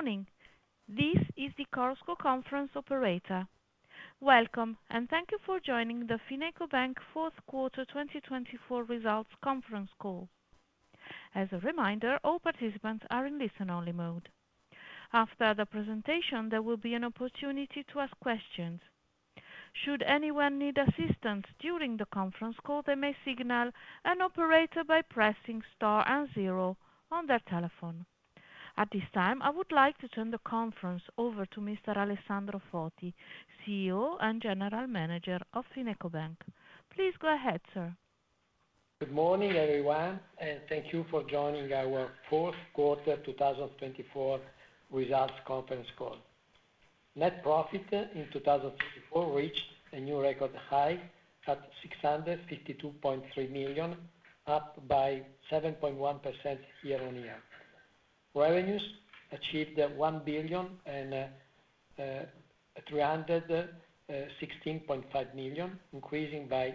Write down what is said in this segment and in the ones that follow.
Morning. This is the Chorus Conference Operator. Welcome, and thank you for joining the FinecoBank Fourth Quarter 2024 Results Conference Call. As a reminder, all participants are in listen-only mode. After the presentation, there will be an opportunity to ask questions. Should anyone need assistance during the conference call, they may signal an operator by pressing star and zero on their telephone. At this time, I would like to turn the conference over to Mr. Alessandro Foti, CEO and General Manager of FinecoBank. Please go ahead, sir. Good morning, everyone, and thank you for joining our Fourth Quarter 2024 Results Conference Call. Net profit in 2024 reached a new record high at 652.3 million, up by 7.1% year-on-year. Revenues achieved 1,316.5 million, increasing by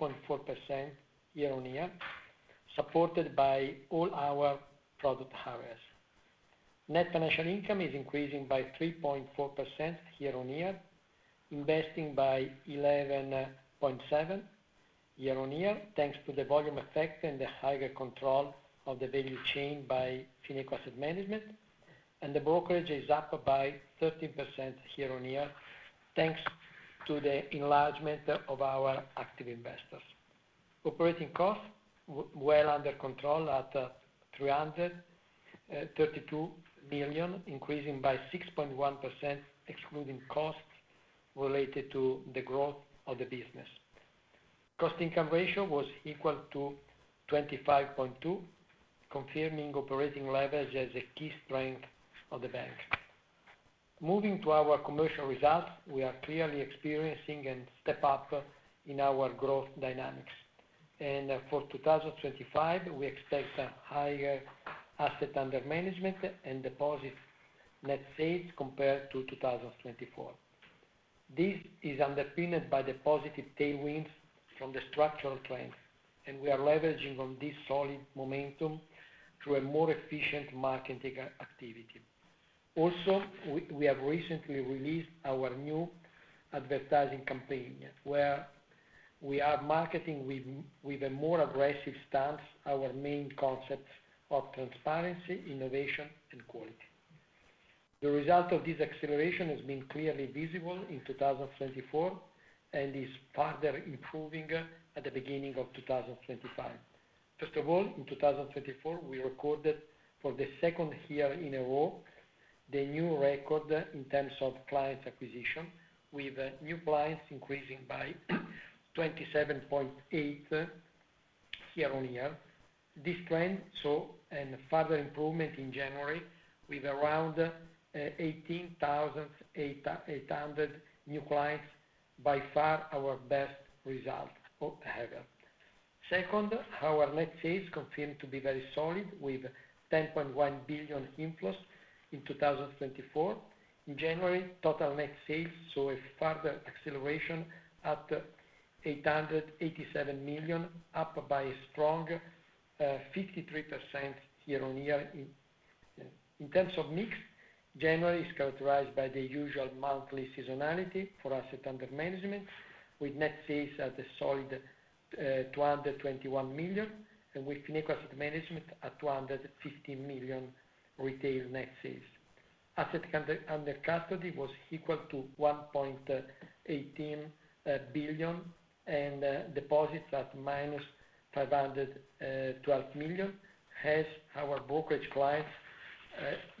6.4% year-on-year, supported by all our product areas. Net financial income is increasing by 3.4% year-on-year, investing by 11.7% year-on-year, thanks to the volume effect and the higher control of the value chain by Fineco Asset Management, and the brokerage is up by 13% year-on-year, thanks to the enlargement of our active investors. Operating costs well under control at 332 million, increasing by 6.1%, excluding costs related to the growth of the business. Cost-to-income ratio was equal to 25.2%, confirming operating leverage as a key strength of the bank. Moving to our commercial results, we are clearly experiencing a step-up in our growth dynamics, and for 2025, we expect a higher asset under management and deposit net sales compared to 2024. This is underpinned by the positive tailwinds from the structural trends, and we are leveraging on this solid momentum through more efficient marketing activity. Also, we have recently released our new advertising campaign, where we are marketing with a more aggressive stance our main concepts of transparency, innovation, and quality. The result of this acceleration has been clearly visible in 2024 and is further improving at the beginning of 2025. First of all, in 2024, we recorded for the second year in a row the new record in terms of client acquisition, with new clients increasing by 27.8% year-on-year. This trend saw a further improvement in January with around 18,800 new clients, by far our best result ever. Second, our net sales confirmed to be very solid, with 10.1 billion inflows in 2024. In January, total net sales saw a further acceleration at 887 million, up by a strong 53% year-on-year. In terms of mix, January is characterized by the usual monthly seasonality for asset under management, with net sales at a solid 221 million, and with Fineco Asset Management at 250 million retail net sales. Asset under custody was equal to 1.18 billion, and deposits at minus 512 million. Hence, our brokerage clients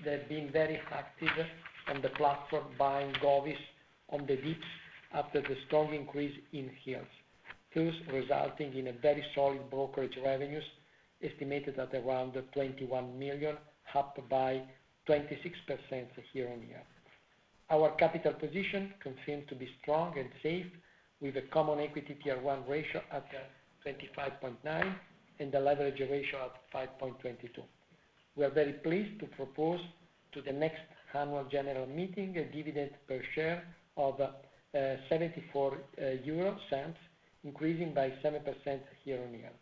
have been very active on the platform, buying govies on the dips after the strong increase in yields, thus resulting in very solid brokerage revenues estimated at around 21 million, up by 26% year-on-year. Our capital position confirmed to be strong and safe, with a Common Equity Tier 1 ratio at 25.9 and a leverage ratio at 5.22. We are very pleased to propose to the next annual general meeting a dividend per share of 74 euro, increasing by 7% year-on-year.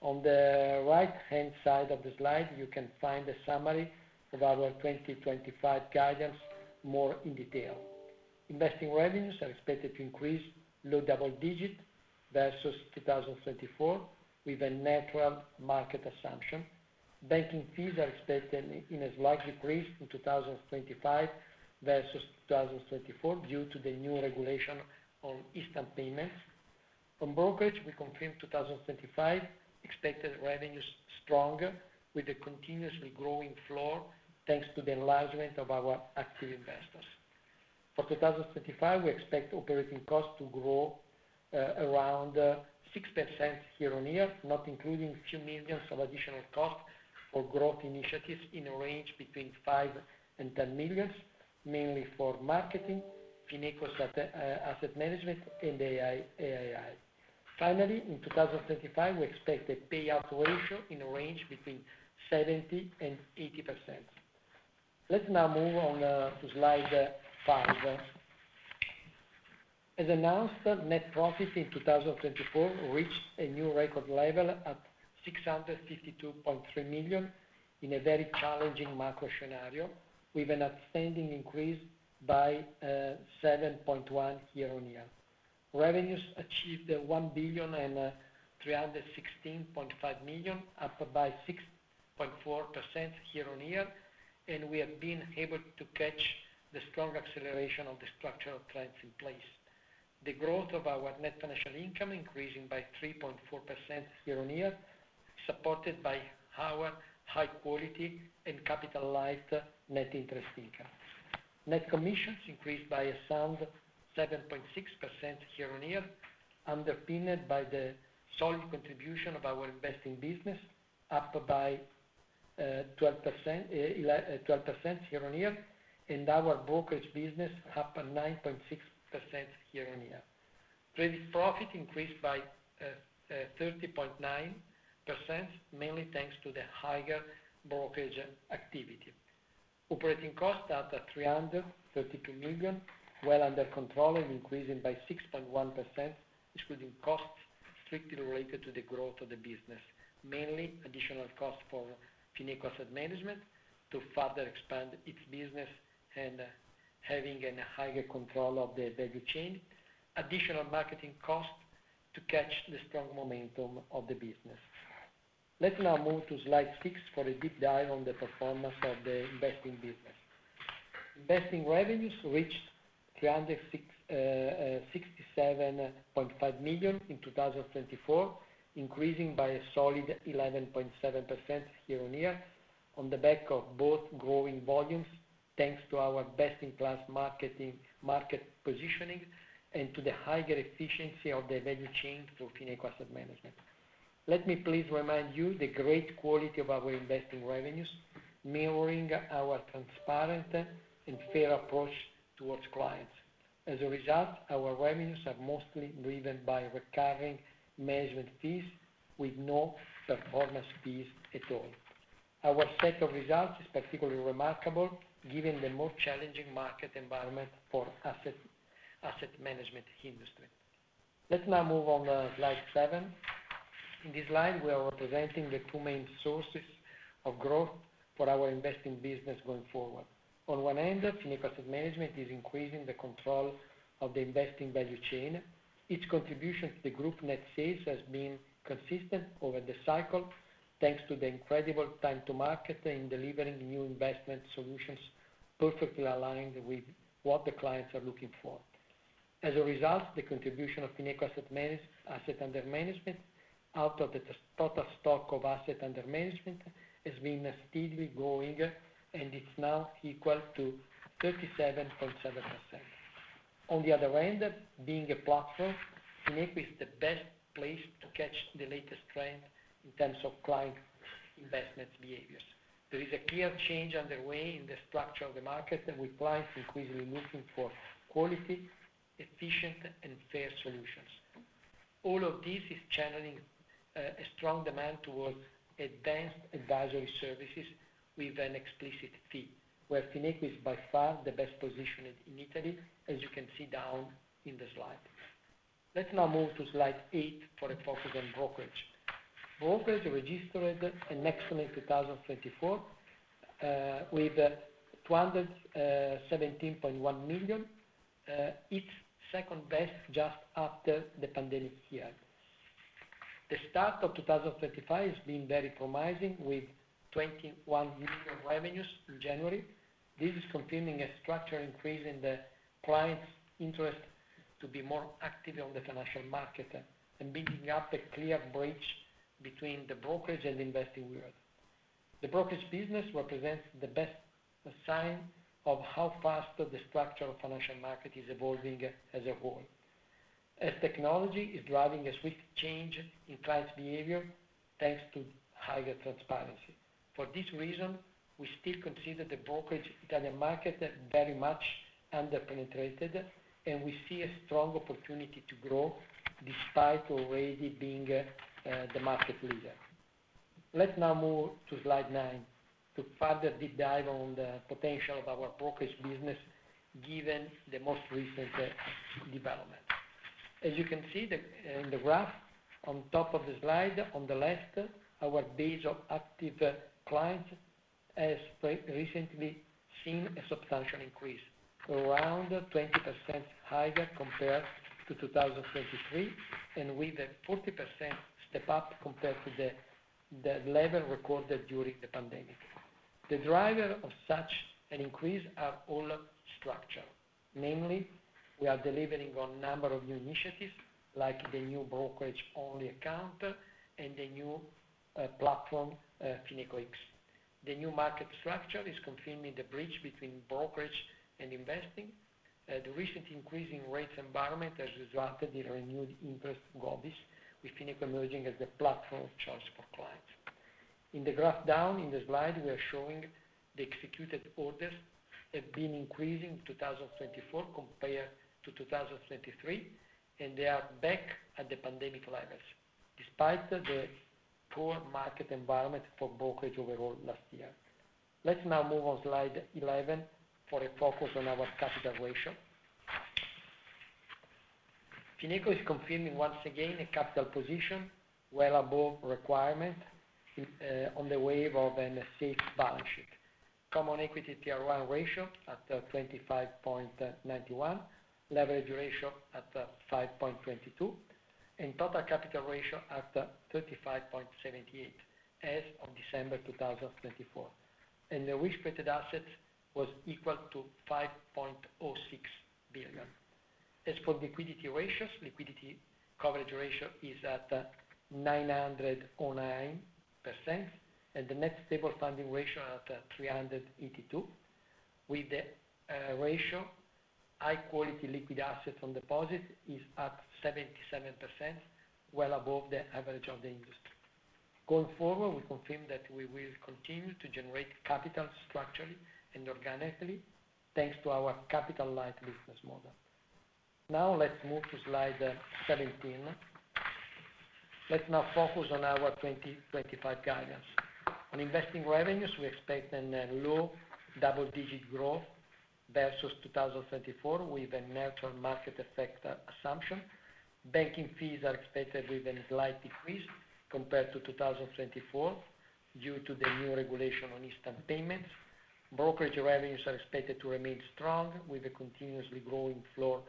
On the right-hand side of the slide, you can find a summary of our 2025 guidance more in detail. Investing revenues are expected to increase low double digit versus 2024, with a natural market assumption. Banking fees are expected in a slight decrease in 2025 versus 2024 due to the new regulation on instant payments. From brokerage, we confirm 2025 expected revenues stronger, with a continuously growing floor thanks to the enlargement of our active investors. For 2025, we expect operating costs to grow around 6% year-on-year, not including a few millions of additional costs for growth initiatives in a range between five and 10 millions, mainly for marketing, Fineco Asset Management, and AI. Finally, in 2025, we expect a payout ratio in a range between 70% and 80%. Let's now move on to slide five. As announced, net profit in 2024 reached a new record level at 652.3 million in a very challenging macro scenario, with an outstanding increase by 7.1% year-on-year. Revenues achieved 1,316.5 million, up by 6.4% year-on-year, and we have been able to catch the strong acceleration of the structural trends in place. The growth of our net financial income, increasing by 3.4% year-on-year, supported by our high-quality and capitalized net interest income. Net commissions increased by a sound 7.6% year-on-year, underpinned by the solid contribution of our investing business, up by 12% year-on-year, and our brokerage business up 9.6% year-on-year. Credit profit increased by 30.9%, mainly thanks to the higher brokerage activity. Operating costs at 332 million, well under control and increasing by 6.1%, excluding costs strictly related to the growth of the business, mainly additional costs for Fineco Asset Management to further expand its business and having a higher control of the value chain, additional marketing costs to catch the strong momentum of the business. Let's now move to slide six for a deep dive on the performance of the investing business. Investing revenues reached 367.5 million in 2024, increasing by a solid 11.7% year-on-year, on the back of both growing volumes thanks to our best-in-class market positioning and to the higher efficiency of the value chain for Fineco Asset Management. Let me please remind you the great quality of our investing revenues, mirroring our transparent and fair approach towards clients. As a result, our revenues are mostly driven by recurring management fees with no performance fees at all. Our set of results is particularly remarkable given the more challenging market environment for asset management industry. Let's now move on to slide seven. In this slide, we are representing the two main sources of growth for our investing business going forward. On one end, Fineco Asset Management is increasing the control of the investing value chain. Its contribution to the group net sales has been consistent over the cycle thanks to the incredible time to market in delivering new investment solutions perfectly aligned with what the clients are looking for. As a result, the contribution of Fineco Asset Management out of the total stock of asset under management has been steadily growing, and it's now equal to 37.7%. On the other end, being a platform, Fineco is the best place to catch the latest trend in terms of client investment behaviors. There is a clear change underway in the structure of the market, with clients increasingly looking for quality, efficient, and fair solutions. All of this is channeling a strong demand towards Advanced Advisory services with an explicit fee, where Fineco is by far the best positioned in Italy, as you can see down in the slide. Let's now move to slide eight for a focus on brokerage. Brokerage registered an excellent 2024 with 217.1 million, its second best just after the pandemic year. The start of 2025 has been very promising, with 21 million revenues in January. This is confirming a structural increase in the clients' interest to be more active on the financial market and building up a clear bridge between the brokerage and investing world. The brokerage business represents the best sign of how fast the structure of the financial market is evolving as a whole, as technology is driving a swift change in clients' behavior thanks to higher transparency. For this reason, we still consider the brokerage Italian market very much under-penetrated, and we see a strong opportunity to grow despite already being the market leader. Let's now move to slide nine to further deep dive on the potential of our brokerage business given the most recent development. As you can see in the graph, on top of the slide on the left, our base of active clients has recently seen a substantial increase, around 20% higher compared to 2023, and with a 40% step-up compared to the level recorded during the pandemic. The driver of such an increase are all structures. Mainly, we are delivering on a number of new initiatives like the new brokerage-only account and the new platform, FinecoX. The new market structure is confirming the bridge between brokerage and investing. The recent increase in rates environment has resulted in renewed interest in govies, with Fineco emerging as the platform of choice for clients. In the graph down in the slide, we are showing the executed orders have been increasing in 2024 compared to 2023, and they are back at the pandemic levels despite the poor market environment for brokerage overall last year. Let's now move on to slide 11 for a focus on our capital ratio. Fineco is confirming once again a capital position well above requirement on the wave of a safe balance sheet. Common Equity Tier 1 ratio at 25.91, leverage ratio at 5.22, and total capital ratio at 35.78 as of December 2024. The risk-weighted assets were equal to 5.06 billion. As for liquidity ratios, liquidity coverage ratio is at 909%, and the net stable funding ratio at 382%, with the ratio high-quality liquid assets on deposit is at 77%, well above the average of the industry. Going forward, we confirm that we will continue to generate capital structurally and organically thanks to our capital-light business model. Now, let's move to slide 17. Let's now focus on our 2025 guidance. On investing revenues, we expect a low double-digit growth versus 2024, with a natural market effect assumption. Banking fees are expected with a slight decrease compared to 2024 due to the new regulation on instant payments. Brokerage revenues are expected to remain strong with a continuously growing floor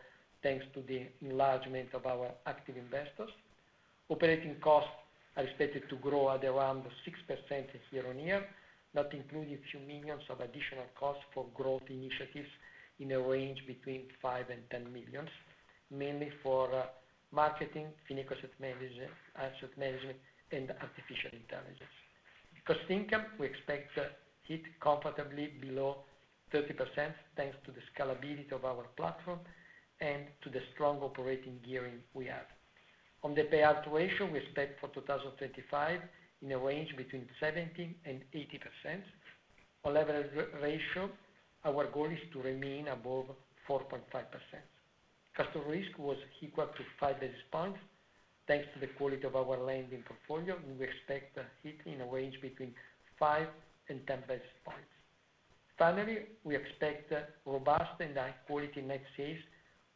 thanks to the enlargement of our active investors. Operating costs are expected to grow at around 6% year-on-year, not including a few millions of additional costs for growth initiatives in a range between five and 10 millions, mainly for marketing, Fineco Asset Management, and artificial intelligence. Cost-income, we expect to hit comfortably below 30% thanks to the scalability of our platform and to the strong operating gearing we have. On the payout ratio, we expect for 2025 in a range between 70% and 80%. On leverage ratio, our goal is to remain above 4.5%. Cost of risk was equal to 5 bps thanks to the quality of our lending portfolio, and we expect to hit in a range between 5 bps and 10 bps. Finally, we expect robust and high-quality net sales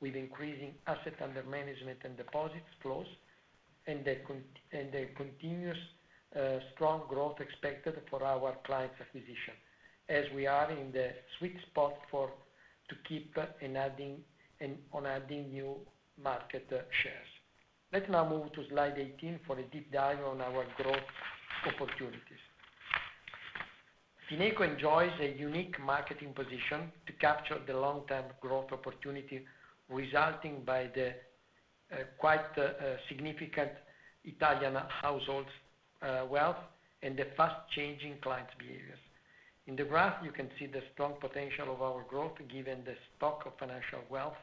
with increasing assets under management and deposits flows and the continuous strong growth expected for our clients' acquisition, as we are in the sweet spot to keep on adding new market shares. Let's now move to slide 18 for a deep dive on our growth opportunities. Fineco enjoys a unique market position to capture the long-term growth opportunity resulting by the quite significant Italian households' wealth and the fast-changing clients' behaviors. In the graph, you can see the strong potential of our growth given the stock of financial wealth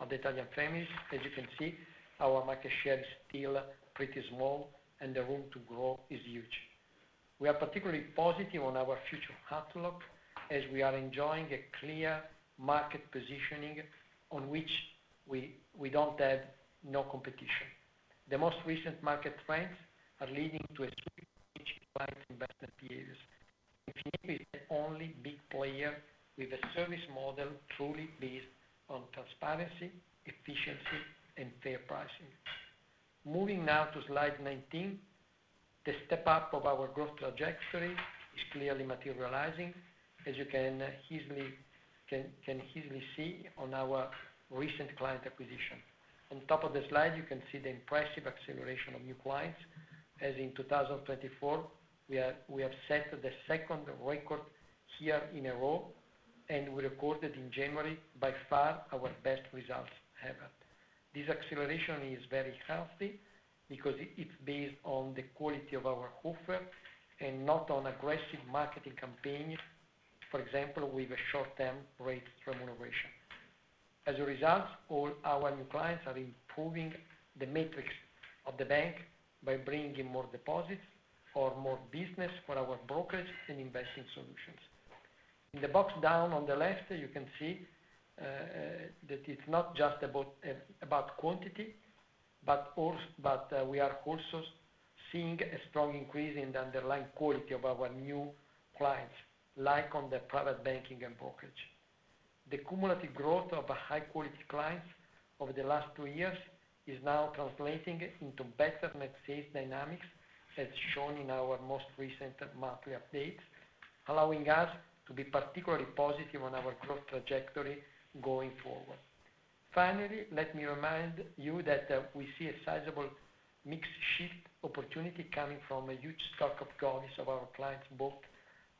of the Italian families. As you can see, our market share is still pretty small, and the room to grow is huge. We are particularly positive on our future outlook as we are enjoying a clear market positioning on which we don't have no competition. The most recent market trends are leading to a sweet client investment behavior. Fineco is the only big player with a service model truly based on transparency, efficiency, and fair pricing. Moving now to slide 19, the step-up of our growth trajectory is clearly materializing, as you can easily see on our recent client acquisition. On top of the slide, you can see the impressive acceleration of new clients, as in 2024, we have set the second record here in a row, and we recorded in January by far our best results ever. This acceleration is very healthy because it's based on the quality of our offer and not on aggressive marketing campaigns, for example, with a short-term rate remuneration. As a result, all our new clients are improving the matrix of the bank by bringing in more deposits or more business for our brokers and investing solutions. In the box down on the left, you can see that it's not just about quantity, but we are also seeing a strong increase in the underlying quality of our new clients, like on the private banking and brokerage. The cumulative growth of high-quality clients over the last two years is now translating into better net sales dynamics, as shown in our most recent monthly updates, allowing us to be particularly positive on our growth trajectory going forward. Finally, let me remind you that we see a sizable mixed shift opportunity coming from a huge stock of govies of our clients bought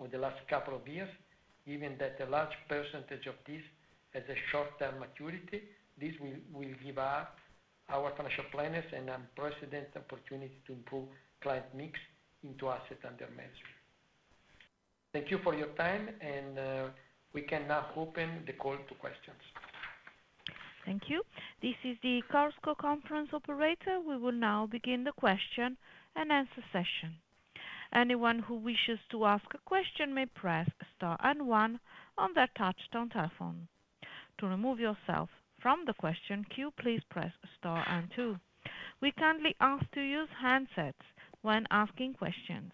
over the last couple of years, given that a large percentage of this has a short-term maturity. This will give our financial planners an unprecedented opportunity to improve client mix into asset under management. Thank you for your time, and we can now open the call to questions. Thank you. This is the conference operator. We will now begin the question and answer session. Anyone who wishes to ask a question may press star and one on their touch-tone telephone. To remove yourself from the question queue, please press star and two. We kindly ask to use handsets when asking questions.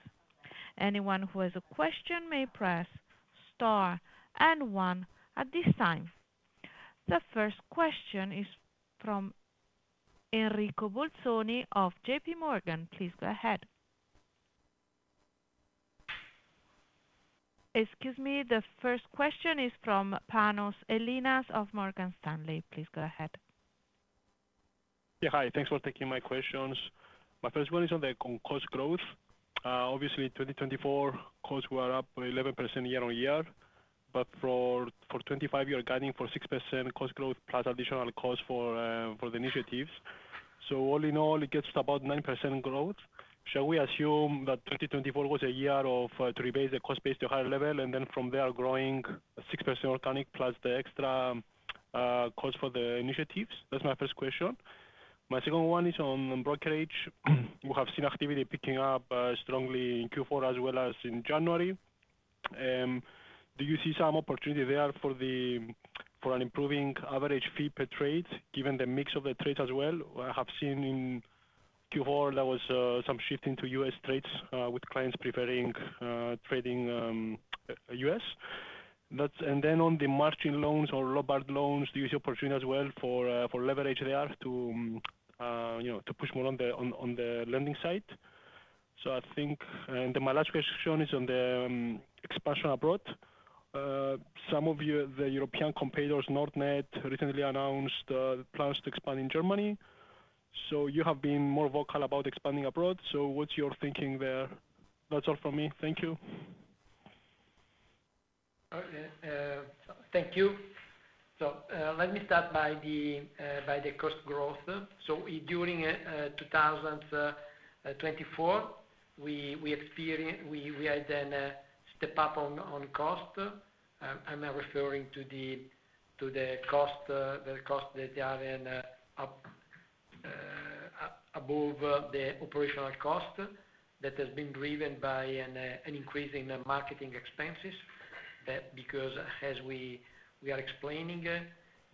Anyone who has a question may press star and one at this time. The first question is from Enrico Bolzoni of J.P. Morgan. Please go ahead. Excuse me. The first question is from Panos Ellinas of Morgan Stanley. Please go ahead. Yeah, hi. Thanks for taking my questions. My first one is on the cost growth. Obviously, in 2024, costs were up 11% year-on-year, but for 2025, you're guiding for 6% cost growth plus additional costs for the initiatives. So all in all, it gets to about 9% growth. Shall we assume that 2024 was a year to rebase the cost base to a higher level, and then from there growing 6% organic plus the extra cost for the initiatives? That's my first question. My second one is on brokerage. We have seen activity picking up strongly in Q4 as well as in January. Do you see some opportunity there for an improving average fee per trade given the mix of the trades as well? I have seen in Q4 there was some shift into U.S. trades with clients preferring trading U.S. And then on the margin loans or Lombard loans, do you see opportunity as well for leverage there to push more on the lending side? So I think, and my last question is on the expansion abroad. Some of the European competitors, Nordnet, recently announced plans to expand in Germany. So you have been more vocal about expanding abroad. So what's your thinking there? That's all from me. Thank you. Okay. Thank you. So let me start by the cost growth. So during 2024, we had a step-up on cost. I'm referring to the costs that there are above the operational costs that have been driven by an increase in marketing expenses because, as we are explaining,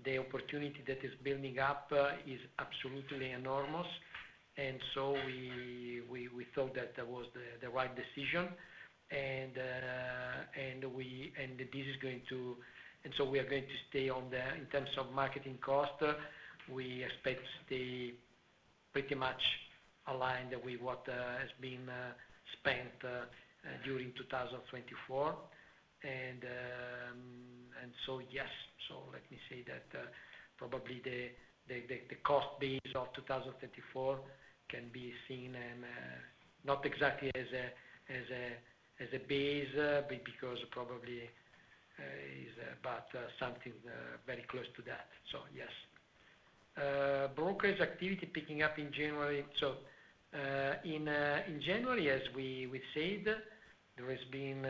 the opportunity that is building up is absolutely enormous. And so we thought that that was the right decision, and this is going to, and so we are going to stay on the, in terms of marketing cost, we expect to stay pretty much aligned with what has been spent during 2024. And so yes, so let me say that probably the cost base of 2024 can be seen not exactly as a base because probably it's about something very close to that. So yes. Brokerage activity picking up in January. In January, as we said, there has been,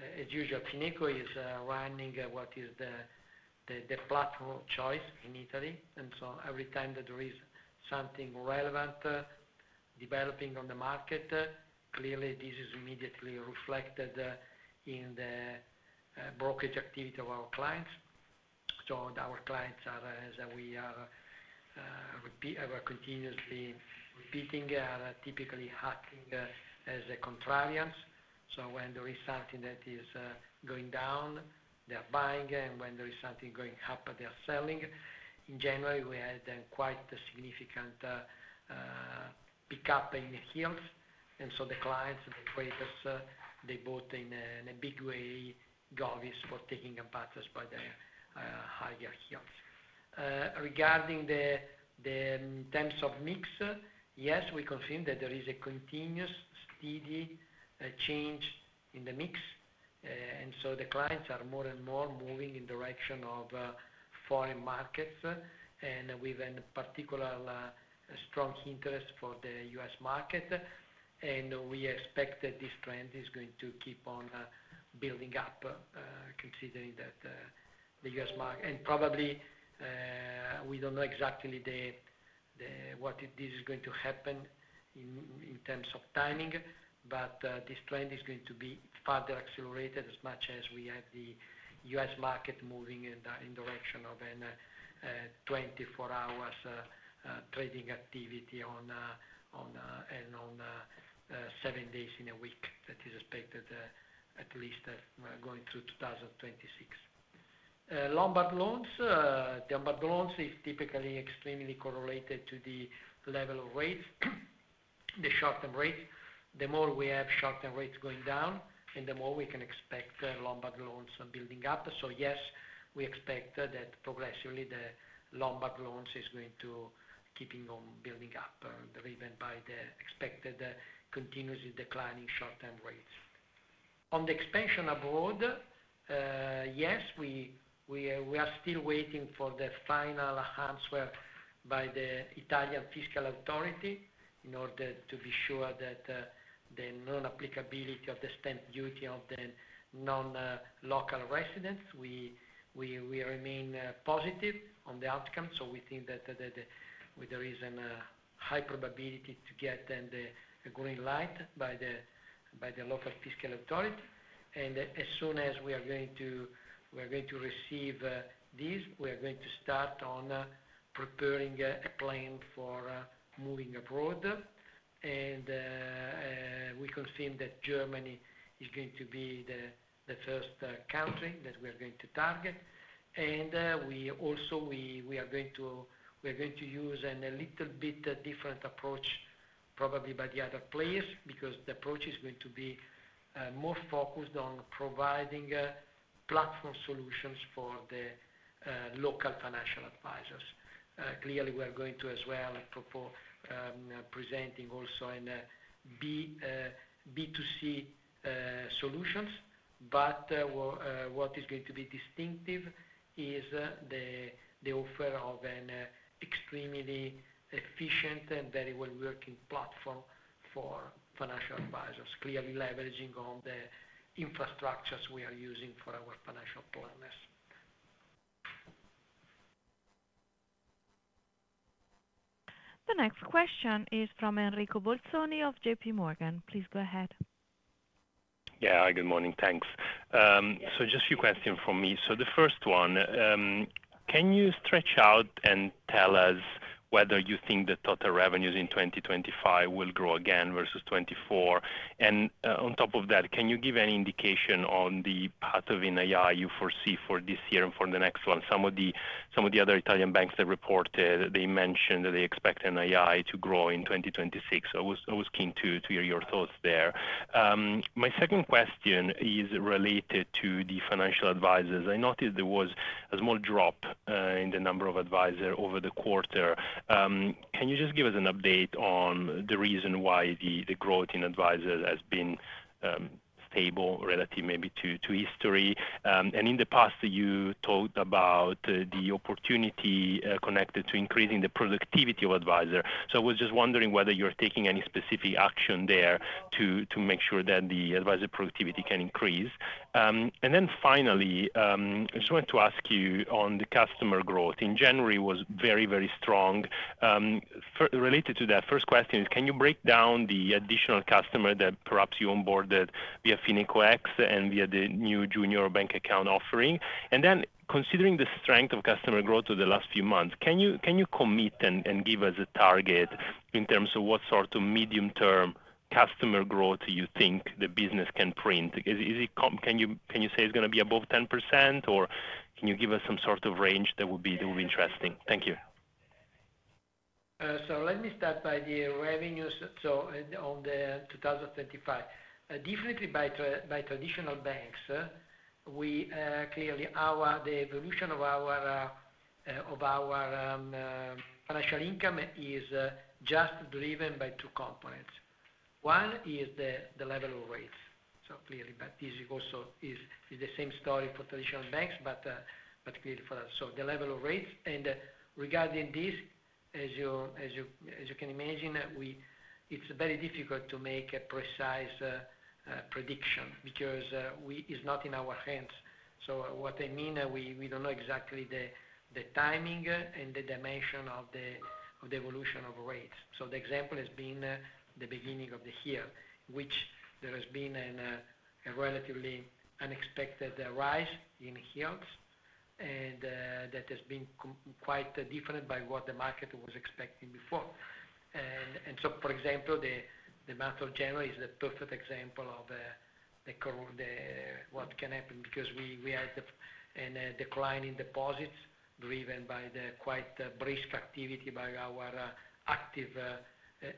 as usual, Fineco is running what is the platform of choice in Italy. And so every time that there is something relevant developing on the market, clearly, this is immediately reflected in the brokerage activity of our clients. Our clients are as we are continuously repeating, are typically acting as contrarians. So when there is something that is going down, they're buying, and when there is something going up, they're selling. In January, we had quite a significant pickup in the yields. And so the clients, the operators, they bought in a big way govies for taking advantage of the higher yields. Regarding in terms of mix, yes, we confirm that there is a continuous steady change in the mix. And so the clients are more and more moving in the direction of foreign markets and with a particular strong interest for the U.S. market. And we expect that this trend is going to keep on building up considering that the U.S. market, and probably we don't know exactly what this is going to happen in terms of timing, but this trend is going to be further accelerated as much as we have the U.S. market moving in the direction of a 24-hour trading activity and on seven days in a week that is expected at least going through 2026. Lombard loans, the Lombard loans is typically extremely correlated to the level of rates, the short-term rates. The more we have short-term rates going down, and the more we can expect Lombard loans building up. So yes, we expect that progressively the Lombard loans is going to keep on building up driven by the expected continuously declining short-term rates. On the expansion abroad, yes, we are still waiting for the final answer by the Italian Fiscal Authority in order to be sure that the non-applicability of the stamp duty to the non-local residents. We remain positive on the outcome. So we think that there is a high probability to get a green light by the local Fiscal Authority. And as soon as we are going to receive this, we are going to start on preparing a plan for moving abroad. And we confirm that Germany is going to be the first country that we are going to target. And also, we are going to use a little bit different approach probably by the other players because the approach is going to be more focused on providing platform solutions for the local financial advisors. Clearly, we are going to as well present also in B2C solutions, but what is going to be distinctive is the offer of an extremely efficient and very well-working platform for financial advisors, clearly leveraging on the infrastructures we are using for our financial partners. The next question is from Enrico Bolzoni of J.P. Morgan. Please go ahead. Yeah. Hi. Good morning. Thanks. So just a few questions from me. So the first one, can you stretch out and tell us whether you think the total revenues in 2025 will grow again versus 2024? On top of that, can you give any indication on the path of NII you foresee for this year and for the next one? Some of the other Italian banks that reported. They mentioned that they expect NII to grow in 2026. I was keen to hear your thoughts there. My second question is related to the financial advisors. I noticed there was a small drop in the number of advisors over the quarter. Can you just give us an update on the reason why the growth in advisors has been stable relative maybe to history? In the past, you talked about the opportunity connected to increasing the productivity of advisors. So I was just wondering whether you're taking any specific action there to make sure that the advisor productivity can increase. Finally, I just wanted to ask you on the customer growth. In January, it was very, very strong. Related to that, first question is, can you break down the additional customer that perhaps you onboarded via FinecoX and via the new junior bank account offering? And then considering the strength of customer growth over the last few months, can you commit and give us a target in terms of what sort of medium-term customer growth you think the business can print? Can you say it's going to be above 10%, or can you give us some sort of range that would be interesting? Thank you. So let me start by the revenues. So on the 2025, definitely by traditional banks, clearly the evolution of our financial income is just driven by two components. One is the level of rates. So clearly, but this also is the same story for traditional banks, but clearly for us. So the level of rates. And regarding this, as you can imagine, it's very difficult to make a precise prediction because it's not in our hands. So what I mean, we don't know exactly the timing and the dimension of the evolution of rates. So the example has been the beginning of the year, which there has been a relatively unexpected rise in yields, and that has been quite different from what the market was expecting before. And so, for example, the month of January is the perfect example of what can happen because we had a decline in deposits driven by the quite brisk activity by our active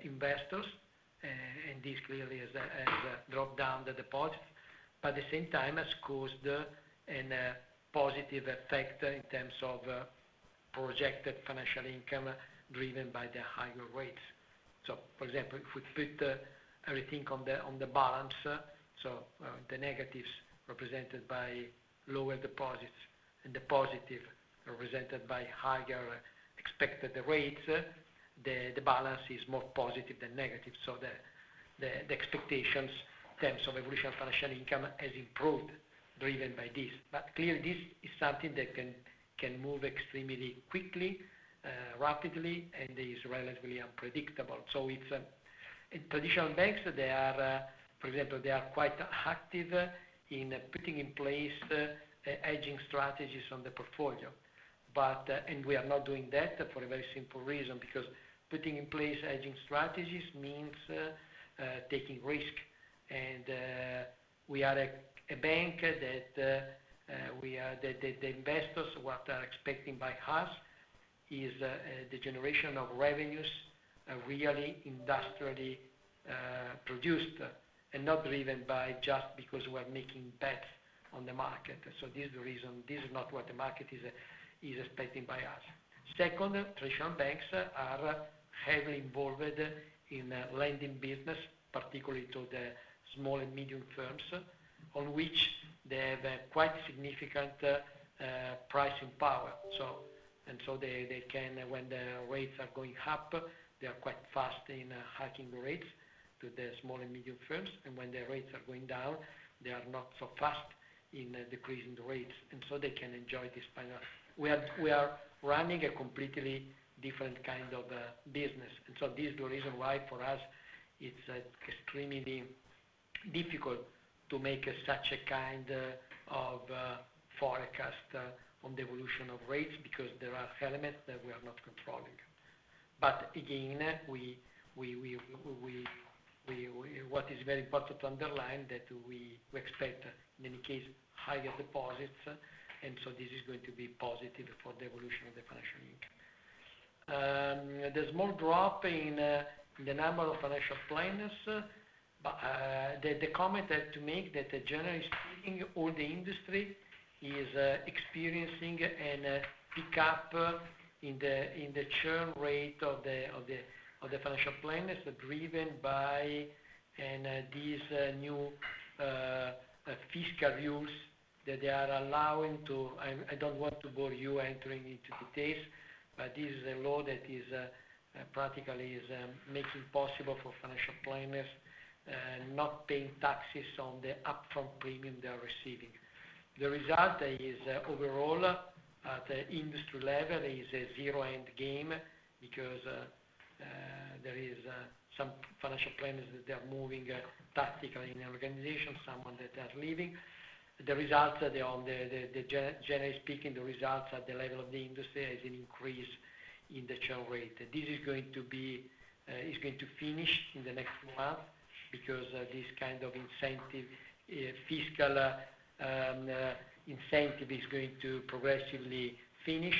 investors. And this clearly has dropped down the deposits, but at the same time has caused a positive effect in terms of projected financial income driven by the higher rates. So, for example, if we put everything on the balance, so the negatives represented by lower deposits and the positives represented by higher expected rates, the balance is more positive than negative. So the expectations in terms of evolution of financial income has improved driven by this. But clearly, this is something that can move extremely quickly, rapidly, and is relatively unpredictable. So in traditional banks, for example, they are quite active in putting in place hedging strategies on the portfolio. And we are not doing that for a very simple reason because putting in place hedging strategies means taking risk. And we are a bank that the investors are expecting by us is the generation of revenues really industrially produced and not driven by just because we are making bets on the market. So this is the reason this is not what the market is expecting by us. Second, traditional banks are heavily involved in lending business, particularly to the small and medium firms, on which they have quite significant pricing power, and so when the rates are going up, they are quite fast in hiking the rates to the small and medium firms, and when the rates are going down, they are not so fast in decreasing the rates, and so they can enjoy this kind of. We are running a completely different kind of business, and so this is the reason why for us it's extremely difficult to make such a kind of forecast on the evolution of rates because there are elements that we are not controlling, but again, what is very important to underline is that we expect, in any case, higher deposits, and so this is going to be positive for the evolution of the financial income. There's more growth in the number of financial planners. The comment I have to make is that, generally speaking, all the industry is experiencing a pickup in the churn rate of the financial planners driven by these new fiscal rules that they are allowing to. I don't want to bore you entering into details, but this is a law that is practically making it possible for financial planners not paying taxes on the upfront premium they are receiving. The result is, overall, at the industry level, there is a zero-sum game because there are some financial planners that are moving tactically in an organization, someone that is leaving. The result, generally speaking, the result at the level of the industry is an increase in the churn rate. This is going to finish in the next month because this kind of fiscal incentive is going to progressively finish.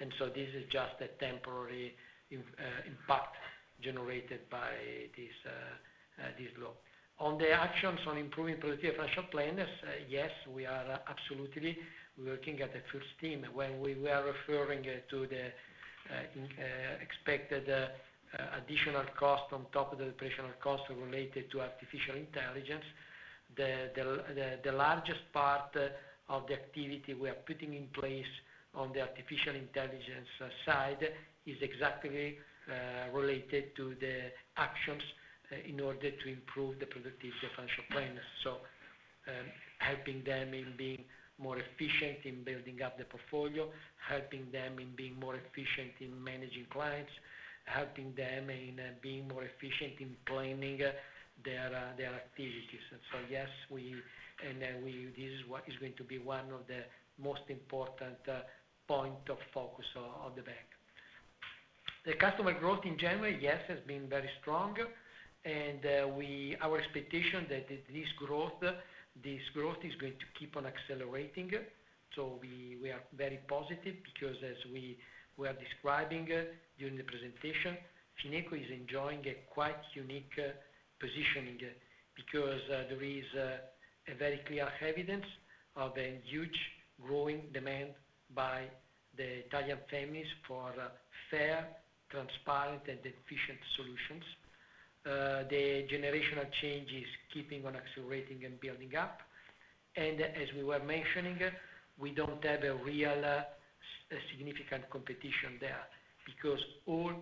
And so this is just a temporary impact generated by this law. On the actions on improving productivity of financial planners, yes, we are absolutely working at the first team. When we were referring to the expected additional cost on top of the operational costs related to artificial intelligence, the largest part of the activity we are putting in place on the artificial intelligence side is exactly related to the actions in order to improve the productivity of financial planners. So helping them in being more efficient in building up the portfolio, helping them in being more efficient in managing clients, helping them in being more efficient in planning their activities. And so yes, this is what is going to be one of the most important points of focus of the bank. The customer growth in January, yes, has been very strong. Our expectation is that this growth is going to keep on accelerating. So we are very positive because, as we were describing during the presentation, Fineco is enjoying a quite unique positioning because there is very clear evidence of a huge growing demand by the Italian families for fair, transparent, and efficient solutions. The generational change is keeping on accelerating and building up. As we were mentioning, we don't have a real significant competition there because all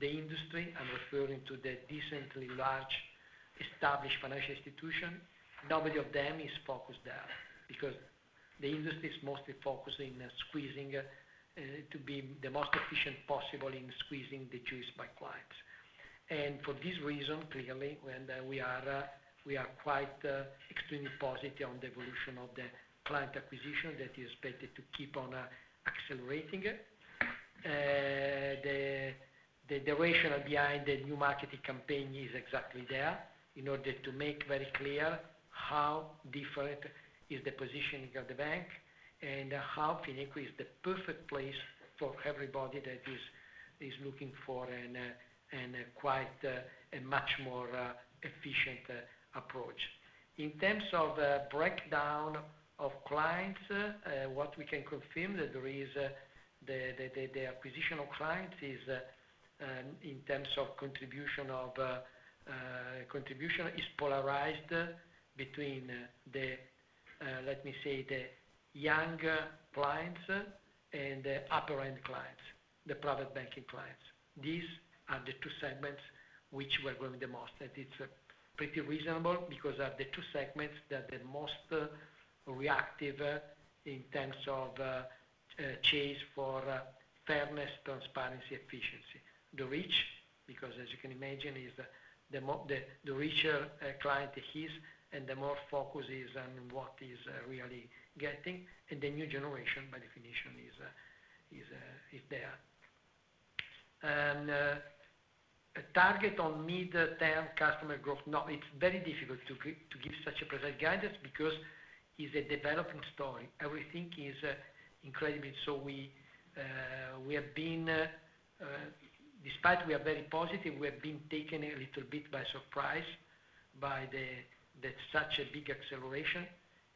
the industry, I'm referring to the decently large established financial institutions, nobody of them is focused there because the industry is mostly focused in squeezing to be the most efficient possible in squeezing the juice by clients. And for this reason, clearly, we are quite extremely positive on the evolution of the client acquisition that is expected to keep on accelerating. The duration behind the new marketing campaign is exactly there in order to make very clear how different is the positioning of the bank and how Fineco is the perfect place for everybody that is looking for a much more efficient approach. In terms of breakdown of clients, what we can confirm is that the acquisition of clients is, in terms of contribution, polarized between, let me say, the young clients and the upper-end clients, the private banking clients. These are the two segments which we are growing the most. And it's pretty reasonable because of the two segments that are the most reactive in terms of chase for fairness, transparency, efficiency. The rich, because as you can imagine, the richer client is, and the more focus is on what is really getting. And the new generation, by definition, is there. Target on mid-term customer growth, it's very difficult to give such a precise guidance because it's a developing story. Everything is incredible. Despite we are very positive, we have been taken a little bit by surprise by such a big acceleration.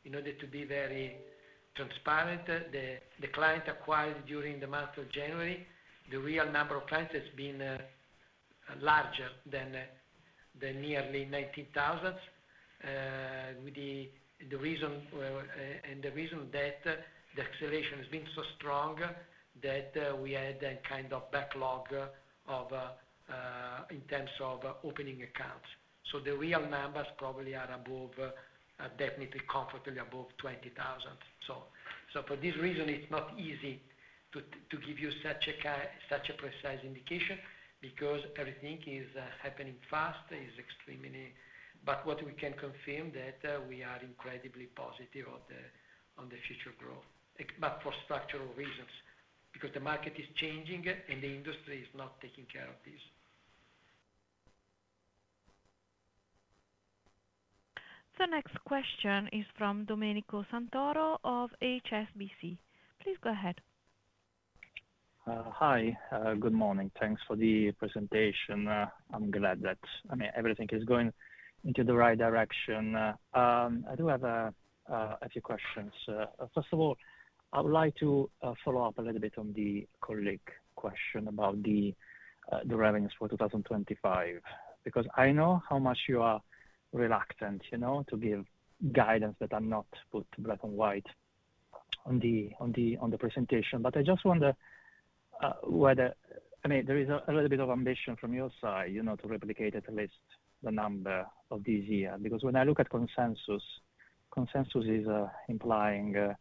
In order to be very transparent, the client acquired during the month of January, the real number of clients has been larger than nearly 19,000. The reason that the acceleration has been so strong is that we had a kind of backlog in terms of opening accounts. The real numbers probably are definitely comfortably above 20,000. For this reason, it's not easy to give you such a precise indication because everything is happening fast. But what we can confirm is that we are incredibly positive on the future growth, but for structural reasons because the market is changing and the industry is not taking care of this. The next question is from Domenico Santoro of HSBC. Please go ahead. Hi. Good morning. Thanks for the presentation. I'm glad that everything is going in the right direction. I do have a few questions. First of all, I would like to follow up a little bit on the colleague question about the revenues for 2025 because I know how much you are reluctant to give guidance that is not put in black and white on the presentation. But I just wonder whether there is a little bit of ambition from your side to replicate at least the number of this year because when I look at consensus, consensus is implying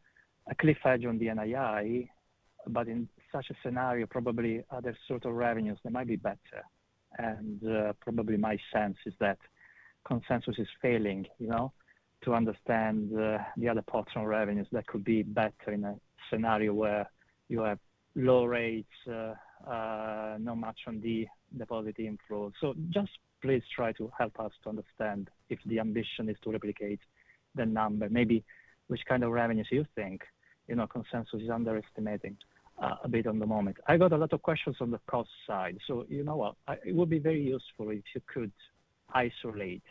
a cliff edge on the NII. But in such a scenario, probably other sorts of revenues, they might be better. Probably my sense is that consensus is failing to understand the other parts of revenues that could be better in a scenario where you have low rates, not much on the deposit inflow. Just please try to help us to understand if the ambition is to replicate the number. Maybe which kind of revenues you think consensus is underestimating a bit at the moment. I got a lot of questions on the cost side. It would be very useful if you could isolate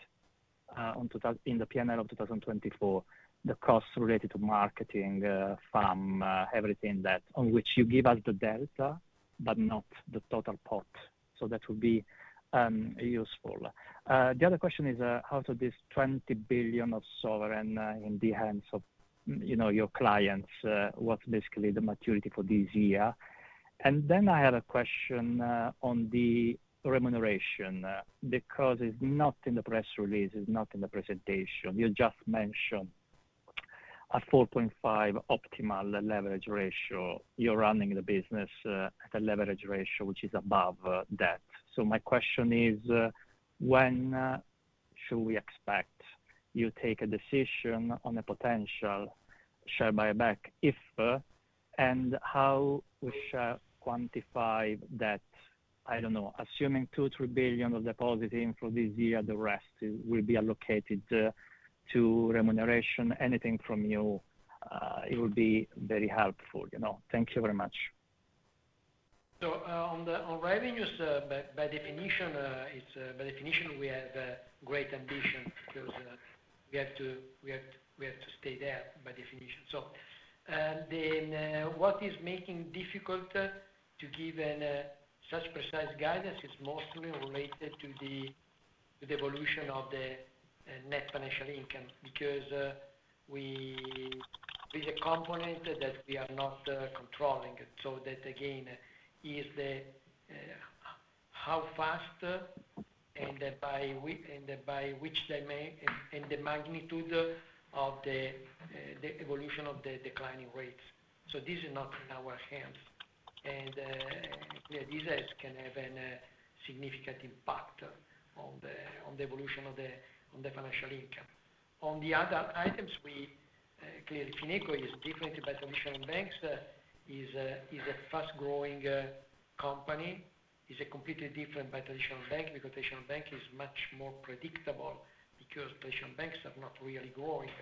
in the P&L of 2024 the costs related to marketing, fund, everything on which you give us the delta but not the total pot. That would be useful. The other question is how about this 20 billion of sovereign in the hands of your clients. What's basically the maturity for this year. I have a question on the remuneration because it's not in the press release, it's not in the presentation. You just mentioned a 4.5 optimal leverage ratio. You're running the business at a leverage ratio which is above that. So my question is, when should we expect you take a decision on a potential share buyback if and how we shall quantify that? I don't know. Assuming 2 to 3 billion of deposit inflow this year, the rest will be allocated to remuneration. Anything from you? It will be very helpful. Thank you very much. So on revenues, by definition, we have great ambition because we have to stay there by definition. So what is making it difficult to give such precise guidance is mostly related to the evolution of the net financial income because there is a component that we are not controlling. So that, again, is how fast and by which magnitude of the evolution of the declining rates. So this is not in our hands. And these can have a significant impact on the evolution of the financial income. On the other items, clearly, Fineco is different by traditional banks. It is a fast-growing company. It's a completely different by traditional bank because traditional bank is much more predictable because traditional banks are not really growing.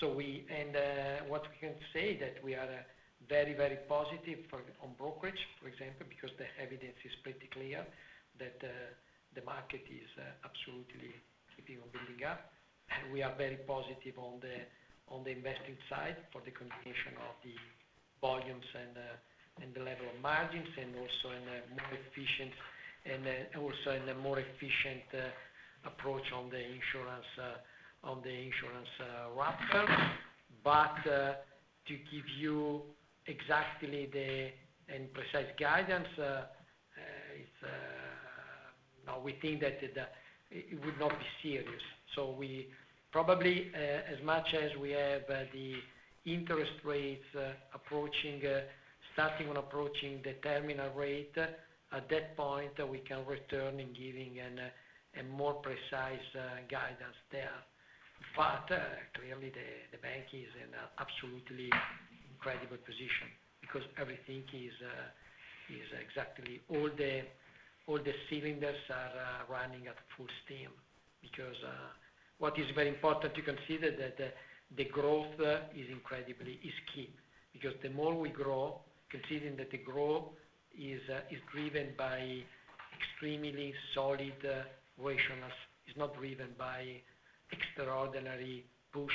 And what we can say is that we are very, very positive on brokerage, for example, because the evidence is pretty clear that the market is absolutely keeping on building up. We are very positive on the investing side for the combination of the volumes and the level of margins and also in a more efficient and also in a more efficient approach on the execution router. But to give you exactly the precise guidance, we think that it would not be serious. So probably as much as we have the interest rates starting on approaching the terminal rate, at that point, we can return and give a more precise guidance there. But clearly, the bank is in an absolutely incredible position because everything is exactly all the cylinders are running at full steam, because what is very important to consider is that the growth is incredibly key, because the more we grow, considering that the growth is driven by extremely solid rational. It's not driven by extraordinary push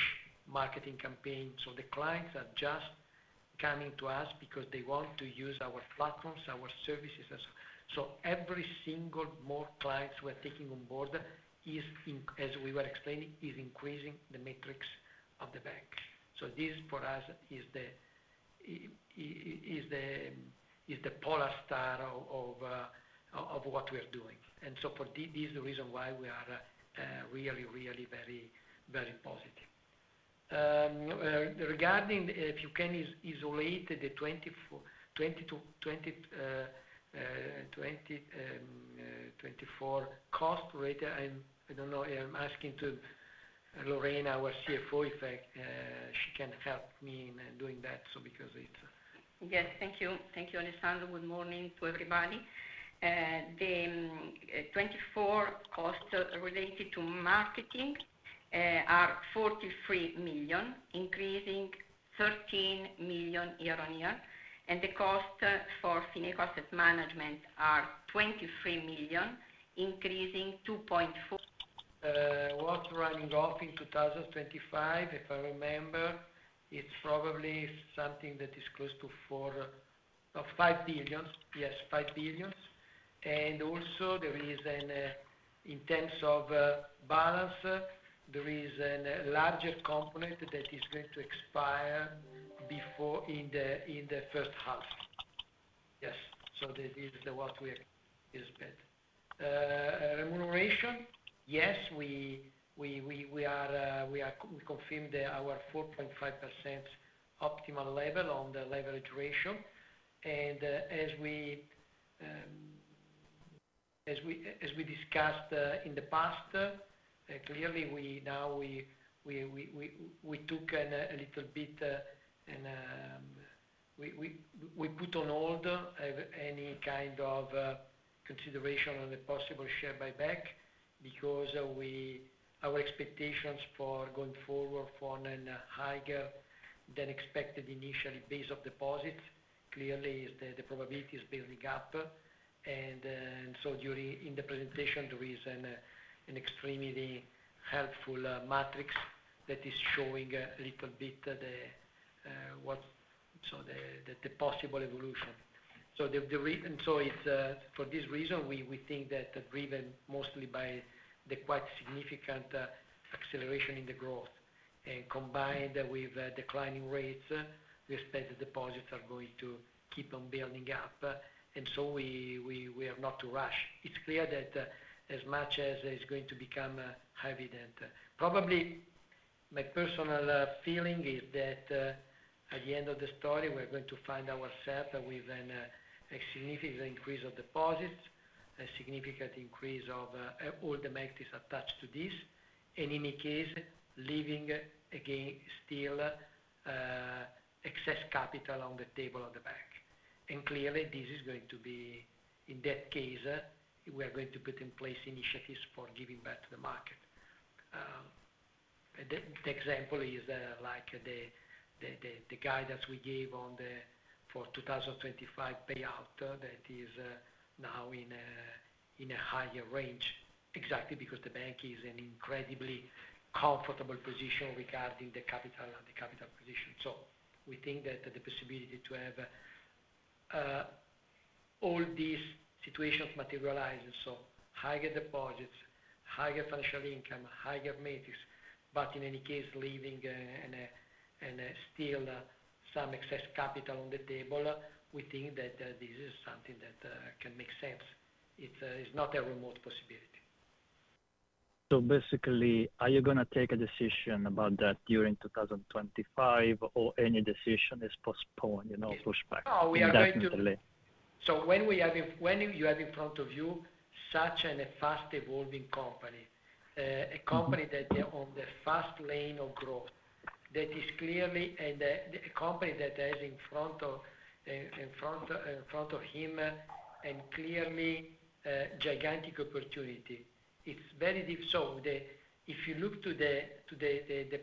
marketing campaigns, so the clients are just coming to us because they want to use our platforms, our services, so every single more clients we are taking on board, as we were explaining, is increasing the metrics of the bank, so this, for us, is the polar star of what we are doing, and so for this, the reason why we are really, really very positive. Regarding if you can isolate the 2024 cost rate, I don't know. I'm asking Lorena, our CFO, if she can help me in doing that because it's. Yes. Thank you. Thank you, Alessandro. Good morning to everybody. The 24 costs related to marketing are 43 million, increasing 13 million year on year. And the cost for Fineco Asset Management are 23 million, increasing 2.4. What's running off in 2025, if I remember. It's probably something that is close to 5 billion. Yes, 5 billion. And also, in terms of balance, there is a larger component that is going to expire in the first half. Yes. So this is what we expect. Remuneration, yes, we confirmed our 4.5% optimal level on the leverage ratio. And as we discussed in the past, clearly, now we took a little bit and we put on hold any kind of consideration on the possible share buyback because our expectations for going forward for a higher than expected initially base of deposit, clearly, the probability is building up. And so in the presentation, there is an extremely helpful matrix that is showing a little bit what's the possible evolution. So for this reason, we think that driven mostly by the quite significant acceleration in the growth and combined with declining rates, we expect the deposits are going to keep on building up. And so we are not to rush. It's clear that as much as it's going to become evident. Probably my personal feeling is that at the end of the story, we are going to find ourselves with a significant increase of deposits, a significant increase of all the metrics attached to this, and in any case, leaving still excess capital on the table of the bank. And clearly, this is going to be in that case, we are going to put in place initiatives for giving back to the market. The example is like the guidance we gave for 2025 payout that is now in a higher range exactly because the bank is in an incredibly comfortable position regarding the capital position. So we think that the possibility to have all these situations materialize and so higher deposits, higher financial income, higher metrics, but in any case, leaving still some excess capital on the table, we think that this is something that can make sense. It's not a remote possibility. So basically, are you going to take a decision about that during 2025 or any decision is postponed, push back? No, we are going to. So when you have in front of you such a fast-evolving company, a company that is on the fast lane of growth, that is clearly a company that has in front of him and clearly gigantic opportunity. So if you look to the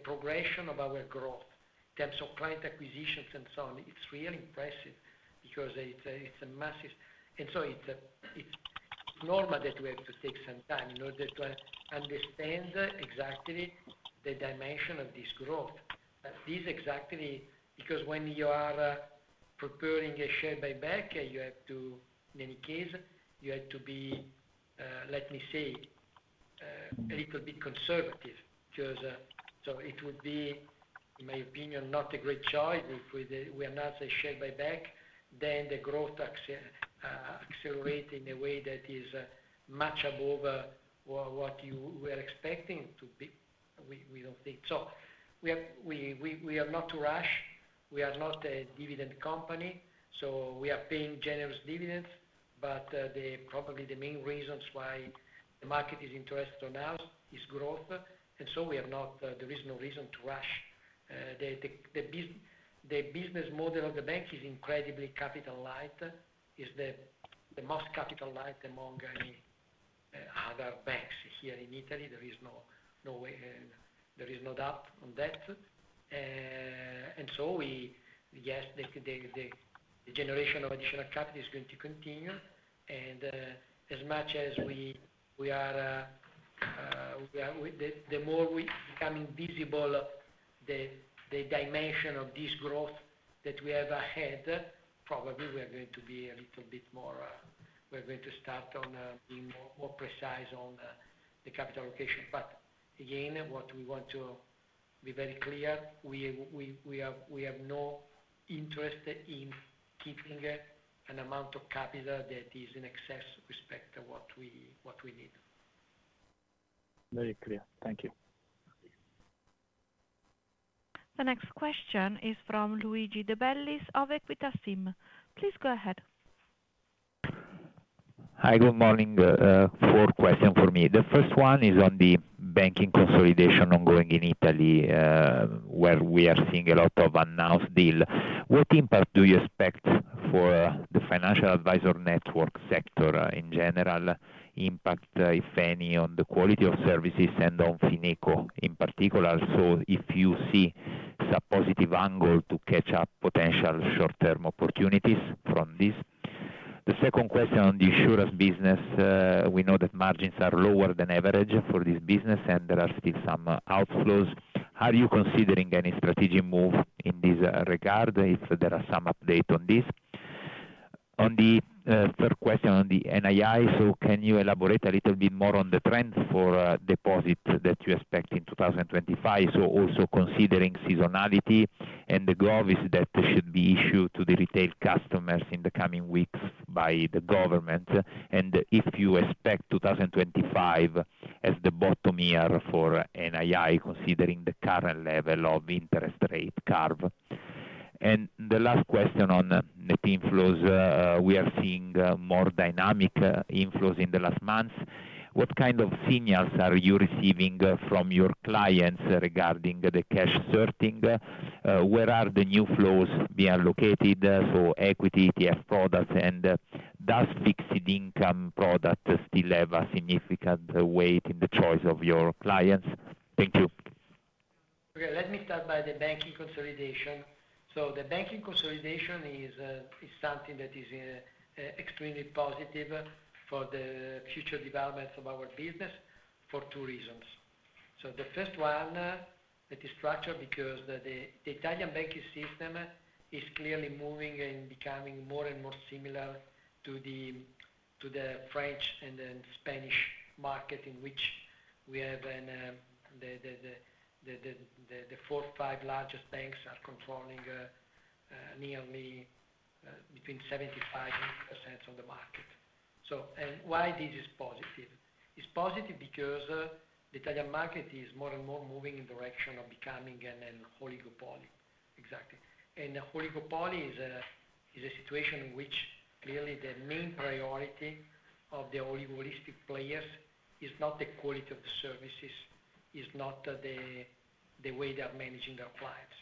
progression of our growth in terms of client acquisitions and so on, it's really impressive because it's a massive. And so it's normal that we have to take some time in order to understand exactly the dimension of this growth. This is exactly because when you are preparing a share buyback, in any case, you have to be, let me say, a little bit conservative because it would be, in my opinion, not a great choice if we announce a share buyback, then the growth accelerates in a way that is much above what we are expecting to be, we don't think. So we are not to rush. We are not a dividend company. So we are paying generous dividends. But probably the main reasons why the market is interested in us is growth. And so there is no reason to rush. The business model of the bank is incredibly capital-light. It's the most capital-light among other banks here in Italy. There is no doubt on that. And so yes, the generation of additional capital is going to continue. And as much as we are, the more we become visible, the dimension of this growth that we have ahead. Probably we are going to be a little bit more. We're going to start on being more precise on the capital allocation. But again, what we want to be very clear, we have no interest in keeping an amount of capital that is in excess with respect to what we need. Very clear. Thank you. The next question is from Luigi De Bellis of Equita SIM. Please go ahead. Hi. Good morning. Four questions for me. The first one is on the banking consolidation ongoing in Italy where we are seeing a lot of unannounced deals. What impact do you expect for the financial advisor network sector in general? Impact, if any, on the quality of services and on Fineco in particular? So if you see some positive angle to catch up potential short-term opportunities from this? The second question on the insurance business. We know that margins are lower than average for this business and there are still some outflows. Are you considering any strategic move in this regard if there are some updates on this? On the third question on the NII, so can you elaborate a little bit more on the trend for deposits that you expect in 2025? So also considering seasonality and the govies that should be issued to the retail customers in the coming weeks by the government. And if you expect 2025 as the bottom year for NII considering the current level of interest rate curve? And the last question on net inflows. We are seeing more dynamic inflows in the last months. What kind of signals are you receiving from your clients regarding the cash allocation? Where are the new flows being located? So equity, ETF products, and does fixed income product still have a significant weight in the choice of your clients? Thank you. Okay. Let me start by the banking consolidation. So the banking consolidation is something that is extremely positive for the future development of our business for two reasons. So the first one that is structured because the Italian banking system is clearly moving and becoming more and more similar to the French and then Spanish market in which we have the four or five largest banks are controlling nearly between 75% of the market. And why this is positive? It's positive because the Italian market is more and more moving in the direction of becoming an oligopoly. Exactly. And oligopoly is a situation in which clearly the main priority of the oligopolistic players is not the quality of the services, is not the way they are managing their clients.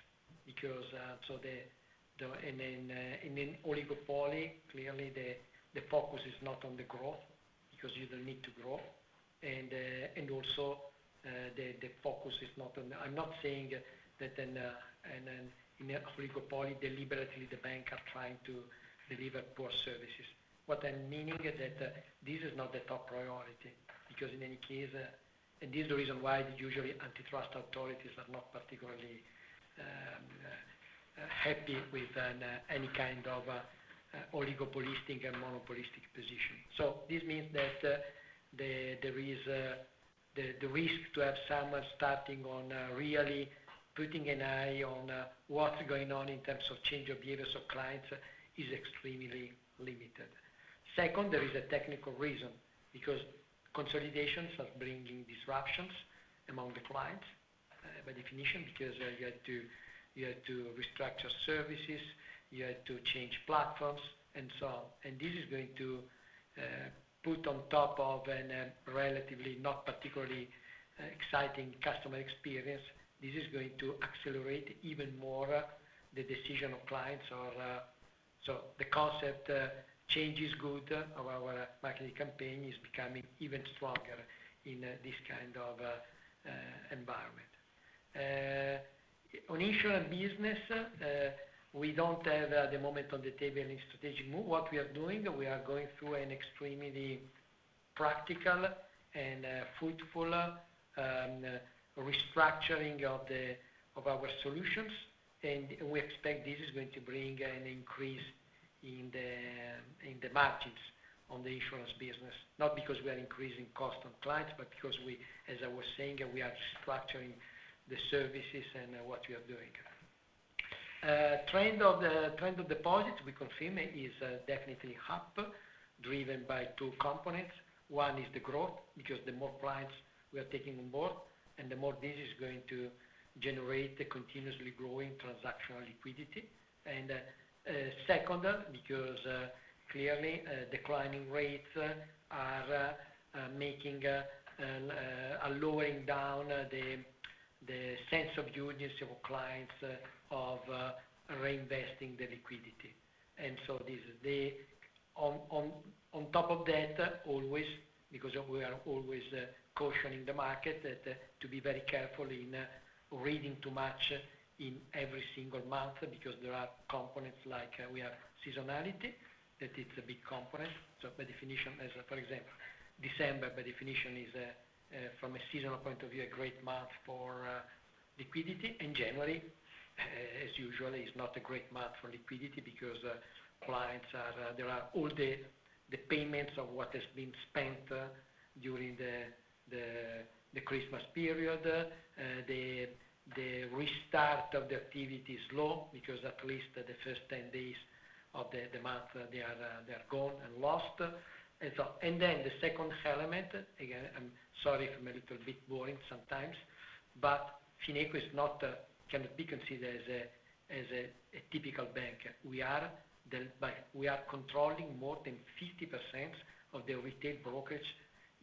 And in an oligopoly, clearly, the focus is not on the growth because you don't need to grow. And also the focus is not on the. I'm not saying that in an oligopoly, deliberately the bank are trying to deliver poor services. What I'm meaning is that this is not the top priority because in any case, and this is the reason why usually antitrust authorities are not particularly happy with any kind of oligopolistic and monopolistic position. So this means that there is the risk to have someone starting on really putting an eye on what's going on in terms of change of behaviors of clients, is extremely limited. Second, there is a technical reason because consolidations are bringing disruptions among the clients by definition because you have to restructure services, you have to change platforms, and so on. And this is going to put on top of a relatively not particularly exciting customer experience. This is going to accelerate even more the decision of clients. So the concept change is good. Our marketing campaign is becoming even stronger in this kind of environment. On insurance business, we don't have at the moment on the table any strategic move. What we are doing, we are going through an extremely practical and fruitful restructuring of our solutions. And we expect this is going to bring an increase in the margins on the insurance business, not because we are increasing cost on clients, but because we, as I was saying, we are restructuring the services and what we are doing. Trend of deposits, we confirm, is definitely up, driven by two components. One is the growth because the more clients we are taking on board, and the more this is going to generate continuously growing transactional liquidity. And second, because clearly, declining rates are making a lowering down the sense of urgency of clients of reinvesting the liquidity. And so on top of that, always, because we are always cautioning the market to be very careful in reading too much in every single month because there are components like we have seasonality, that it's a big component. So by definition, for example, December by definition is, from a seasonal point of view, a great month for liquidity. And January, as usual, is not a great month for liquidity because clients are. There are all the payments of what has been spent during the Christmas period. The restart of the activity is low because at least the first 10 days of the month, they are gone and lost. And then the second element, again, I'm sorry if I'm a little bit boring sometimes, but Fineco cannot be considered as a typical bank. We are controlling more than 50% of the retail brokerage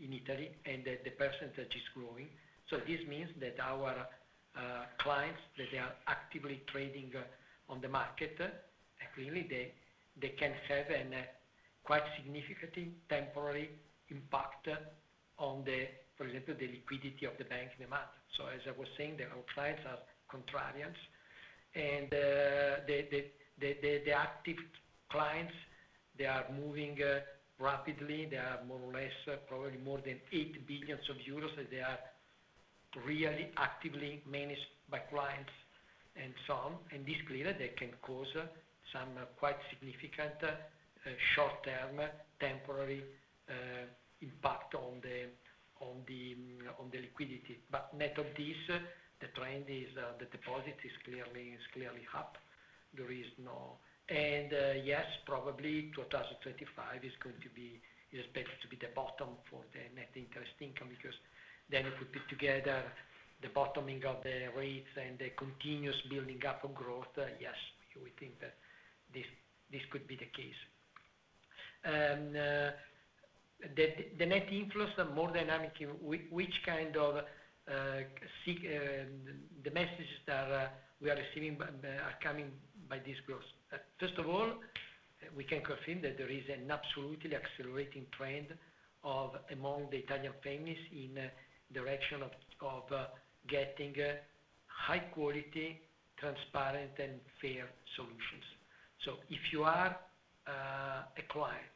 in Italy, and the percentage is growing. So this means that our clients, that they are actively trading on the market, clearly, they can have a quite significant temporary impact on, for example, the liquidity of the bank in the market. So as I was saying, our clients are contrarians. And the active clients, they are moving rapidly. They are more or less probably more than 8 billion euros that they are really actively managed by clients and so on. And this clearly can cause some quite significant short-term temporary impact on the liquidity. But net of this, the trend is the deposit is clearly up. There is no. And yes, probably 2025 is going to be expected to be the bottom for the net interest income because then we put together the bottoming of the rates and the continuous building up of growth. Yes, we think that this could be the case. The net inflows are more dynamic. Which kind of the messages that we are receiving are coming by this growth? First of all, we can confirm that there is an absolutely accelerating trend among the Italian families in the direction of getting high-quality, transparent, and fair solutions. So if you are a client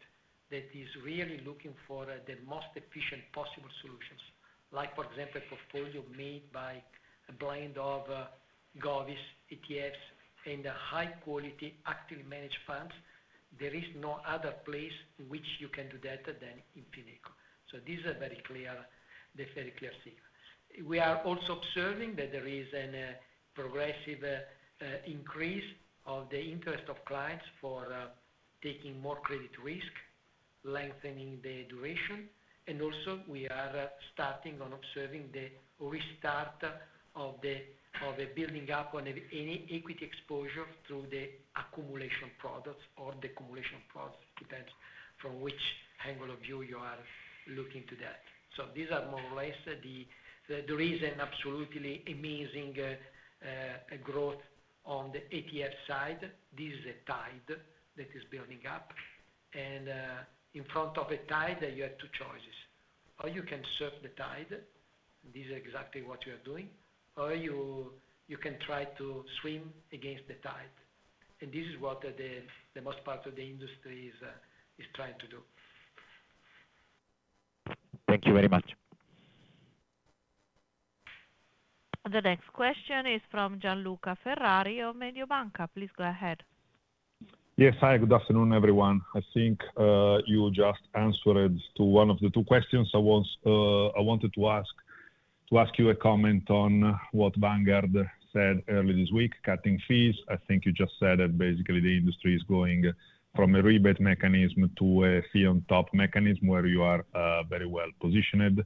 that is really looking for the most efficient possible solutions, like for example, a portfolio made by a blend of govies, ETFs, and high-quality actively managed funds, there is no other place in which you can do that than in Fineco. So this is a very clear signal. We are also observing that there is a progressive increase of the interest of clients for taking more credit risk, lengthening the duration. Also, we are starting on observing the restart of the building up on any equity exposure through the accumulation products or the decumulation products, depends from which angle of view you are looking to that. So these are more or less there is an absolutely amazing growth on the ETF side. This is a tide that is building up. In front of a tide, you have two choices. Or you can surf the tide. This is exactly what you are doing. Or you can try to swim against the tide. This is what the most part of the industry is trying to do. Thank you very much. The next question is from Gianluca Ferrari of Mediobanca. Please go ahead. Yes. Hi. Good afternoon, everyone. I think you just answered to one of the two questions I wanted to ask you a comment on what Vanguard said early this week, cutting fees. I think you just said that basically the industry is going from a rebate mechanism to a fee-on-top mechanism where you are very well positioned.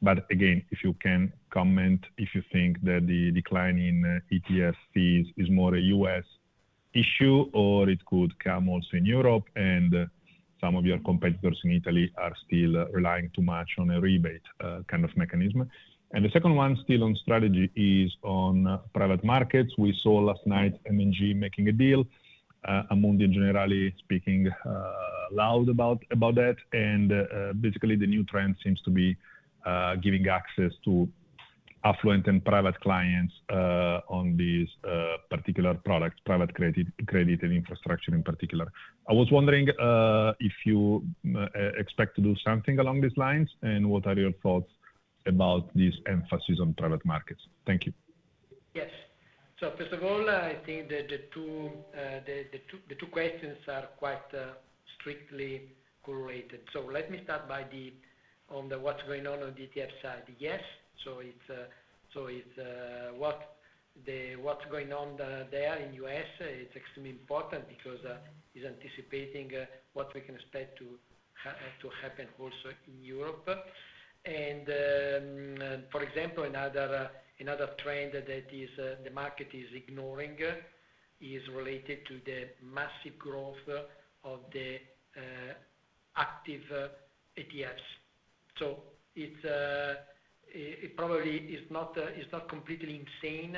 But again, if you can comment if you think that the decline in ETF fees is more a U.S. issue or it could come also in Europe and some of your competitors in Italy are still relying too much on a rebate kind of mechanism. And the second one still on strategy is on private markets. We saw last night M&G making a deal, Amundi is generally speaking loud about that. And basically, the new trend seems to be giving access to affluent and private clients on these particular products, private credit and infrastructure in particular. I was wondering if you expect to do something along these lines and what are your thoughts about this emphasis on private markets? Thank you. Yes, so first of all, I think the two questions are quite strictly correlated. So let me start with what's going on on the ETF side. Yes, so what's going on there in the U.S. is extremely important because it's anticipating what we can expect to happen also in Europe, and for example, another trend that the market is ignoring is related to the massive growth of the active ETFs, so it probably is not completely insane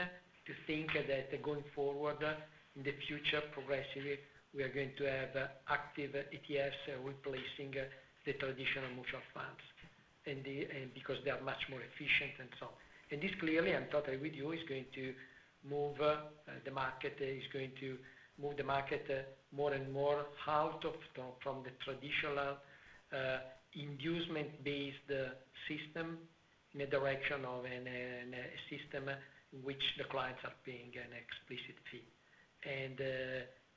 to think that going forward in the future, progressively, we are going to have active ETFs replacing the traditional mutual funds because they are much more efficient and so on. And this clearly, I'm totally with you, is going to move the market, is going to move the market more and more out from the traditional inducement-based system in the direction of a system in which the clients are paying an explicit fee. And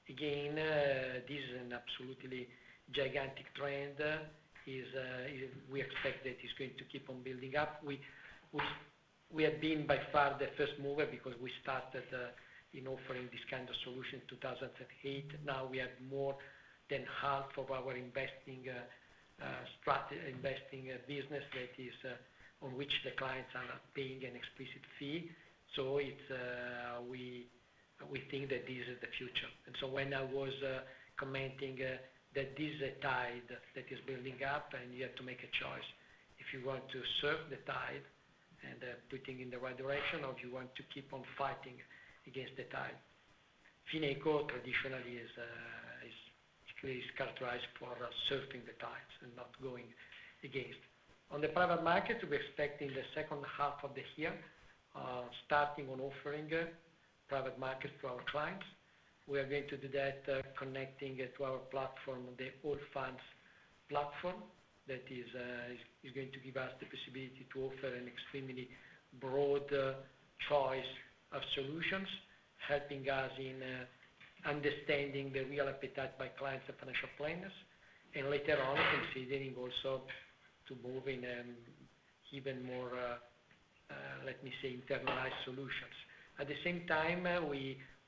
again, this is an absolutely gigantic trend. We expect that it's going to keep on building up. We have been by far the first mover because we started in offering this kind of solution in 2008. Now we have more than half of our investing business that is on which the clients are paying an explicit fee. So we think that this is the future. So when I was commenting that this is a tide that is building up and you have to make a choice if you want to surf the tide and put it in the right direction or you want to keep on fighting against the tide. Fineco traditionally is characterized for surfing the tides and not going against. On the private market, we're expecting the second half of the year starting on offering private markets to our clients. We are going to do that connecting to our platform, the Allfunds platform, that is going to give us the possibility to offer an extremely broad choice of solutions, helping us in understanding the real appetite by clients and financial planners, and later on considering also to move in even more, let me say, internalized solutions. At the same time,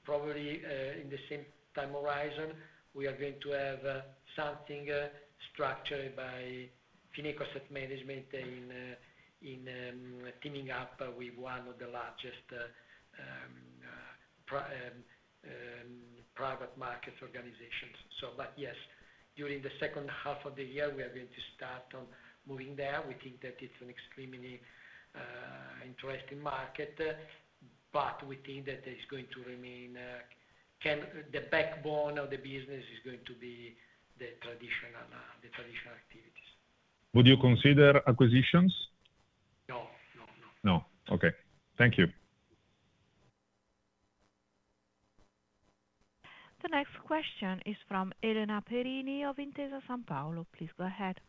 probably in the same time horizon, we are going to have something structured by Fineco Asset Management in teaming up with one of the largest private market organizations. But yes, during the second half of the year, we are going to start on moving there. We think that it's an extremely interesting market, but we think that it's going to remain the backbone of the business is going to be the traditional activities. Would you consider acquisitions? No. No. No. No. Okay. Thank you. The next question is from Elena Perini of Intesa Sanpaolo. Please go ahead.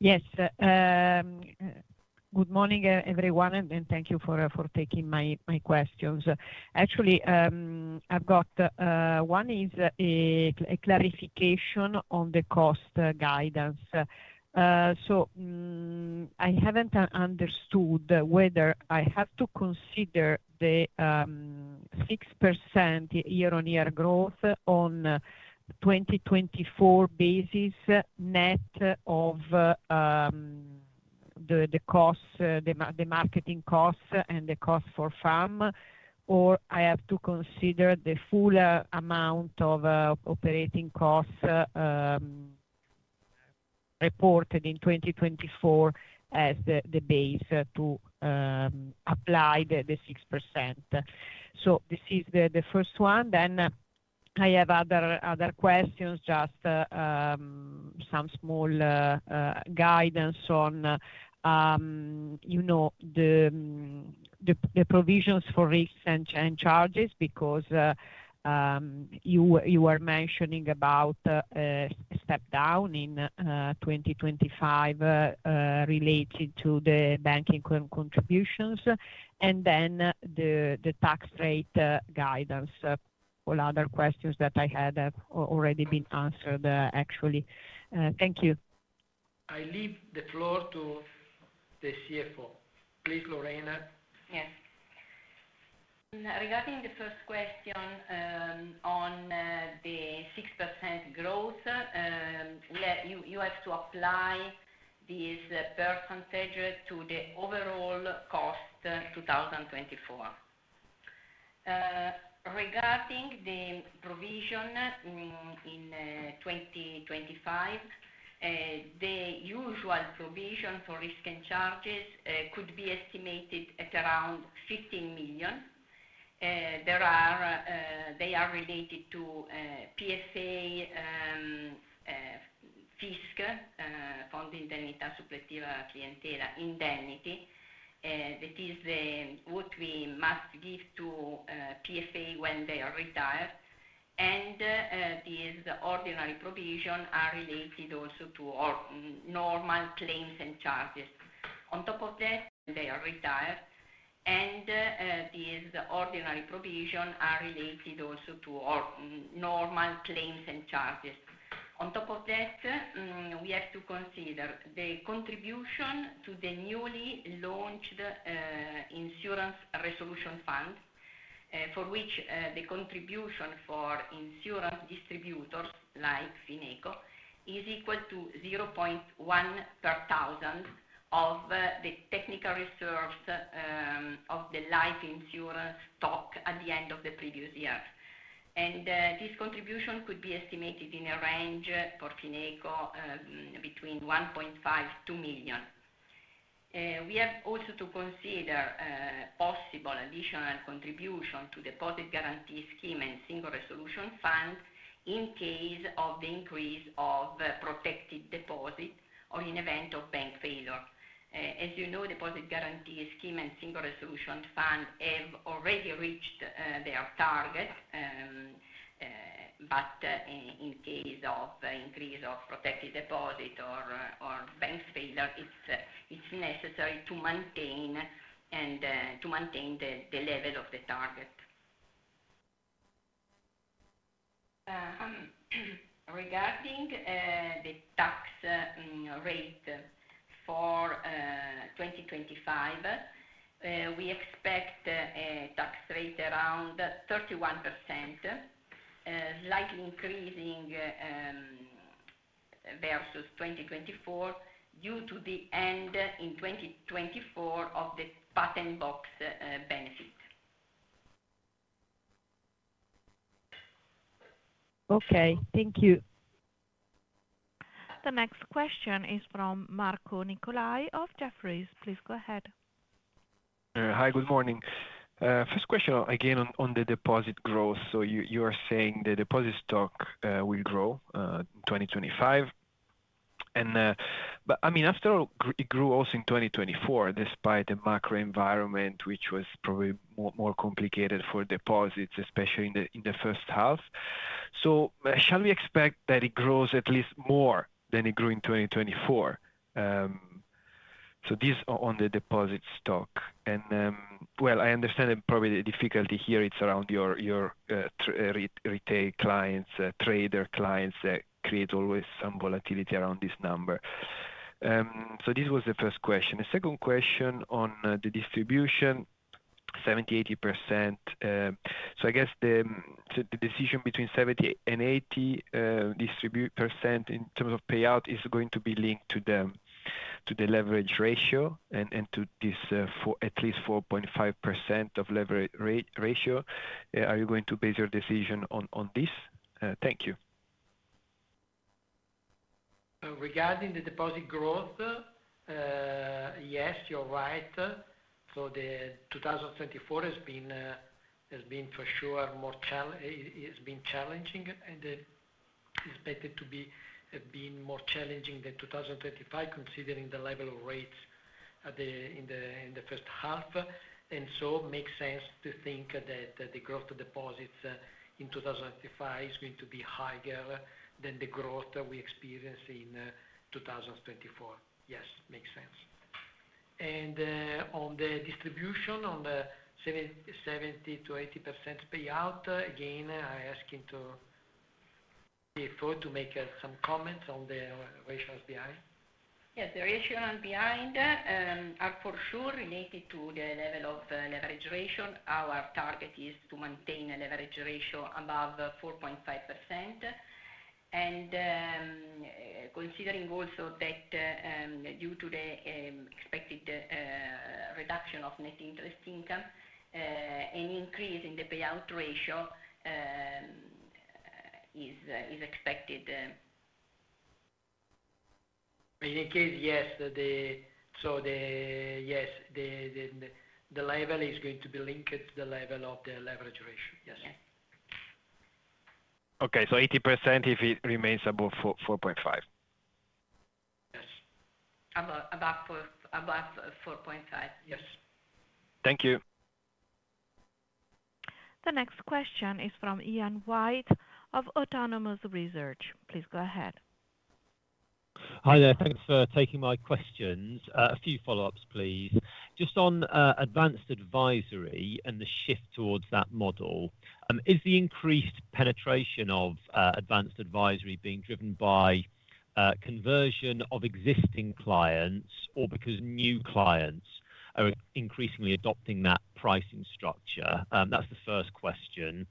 Yes. Good morning, everyone. And thank you for taking my questions. Actually, I've got one is a clarification on the cost guidance. So I haven't understood whether I have to consider the 6% year-on-year growth on a 2024 basis net of the marketing costs and the cost for FAM, or I have to consider the full amount of operating costs reported in 2024 as the base to apply the 6%. So this is the first one. Then I have other questions, just some small guidance on the provisions for risks and charges because you were mentioning about a step down in 2025 related to the banking contributions and then the tax rate guidance. All other questions that I had already been answered, actually. Thank you. I leave the floor to the CFO. Please, Lorena. Yes. Regarding the first question on the 6% growth, you have to apply this percentage to the overall cost in 2024. Regarding the provision in 2025, the usual provision for risks and charges could be estimated at around 15 million. They are related to PFA termination indemnity. That is what we must give to PFA when they are retired. And these ordinary provisions are related also to normal claims and charges. On top of that, we have to consider the contribution to the newly launched insurance resolution fund, for which the contribution for insurance distributors like Fineco is equal to 0.1 per thousand of the technical reserves of the life insurance stock at the end of the previous year. This contribution could be estimated in a range for Fineco between 1.5 to 2 million. We have also to consider possible additional contribution to the Deposit Guarantee Scheme and Single Resolution Fund in case of the increase of protected deposit or in event of bank failure. As you know, Deposit Guarantee Scheme and Single Resolution Fund have already reached their target. But in case of increase of protected deposit or bank failure, it is necessary to maintain the level of the target. Regarding the tax rate for 2025, we expect a tax rate around 31%, slightly increasing versus 2024 due to the end in 2024 of the Patent Box benefit. Okay. Thank you. The next question is from Marco Nicolai of Jefferies. Please go ahead. Hi. Good morning. First question, again, on the deposit growth. So you are saying the deposit stock will grow in 2025. But I mean, after all, it grew also in 2024 despite the macro environment, which was probably more complicated for deposits, especially in the first half. So shall we expect that it grows at least more than it grew in 2024? So this is on the deposit stock. And well, I understand probably the difficulty here, it's around your retail clients, trader clients that create always some volatility around this number. So this was the first question. The second question on the distribution, 70%, 80%. So I guess the decision between 70% and 80% in terms of payout is going to be linked to the leverage ratio and to this at least 4.5% of leverage ratio. Are you going to base your decision on this? Thank you. Regarding the deposit growth, yes, you're right, so the 2024 has been for sure more challenging and expected to be more challenging than 2025 considering the level of rates in the first half, and so it makes sense to think that the growth of deposits in 2025 is going to be higher than the growth that we experience in 2024. Yes, makes sense, and on the distribution, on the 70% to 80% payout, again, I ask you to make some comments on the rationale behind. Yes. The ratio behind are for sure related to the level of leverage ratio. Our target is to maintain a leverage ratio above 4.5%, and considering also that due to the expected reduction of net interest income, an increase in the payout ratio is expected. In any case, yes. So yes, the level is going to be linked to the level of the leverage ratio. Yes. Yes. Okay. So 80% if it remains above 4.5? Yes. Above 4.5. Yes. Thank you. The next question is from Ian White of Autonomous Research. Please go ahead. Hi, thank you for taking my questions. A few follow-ups, please. Just on Advanced Advisory and the shift towards that model, is the increased penetration of Advanced Advisory being driven by conversion of existing clients or because new clients are increasingly adopting that pricing structure? That's the first question.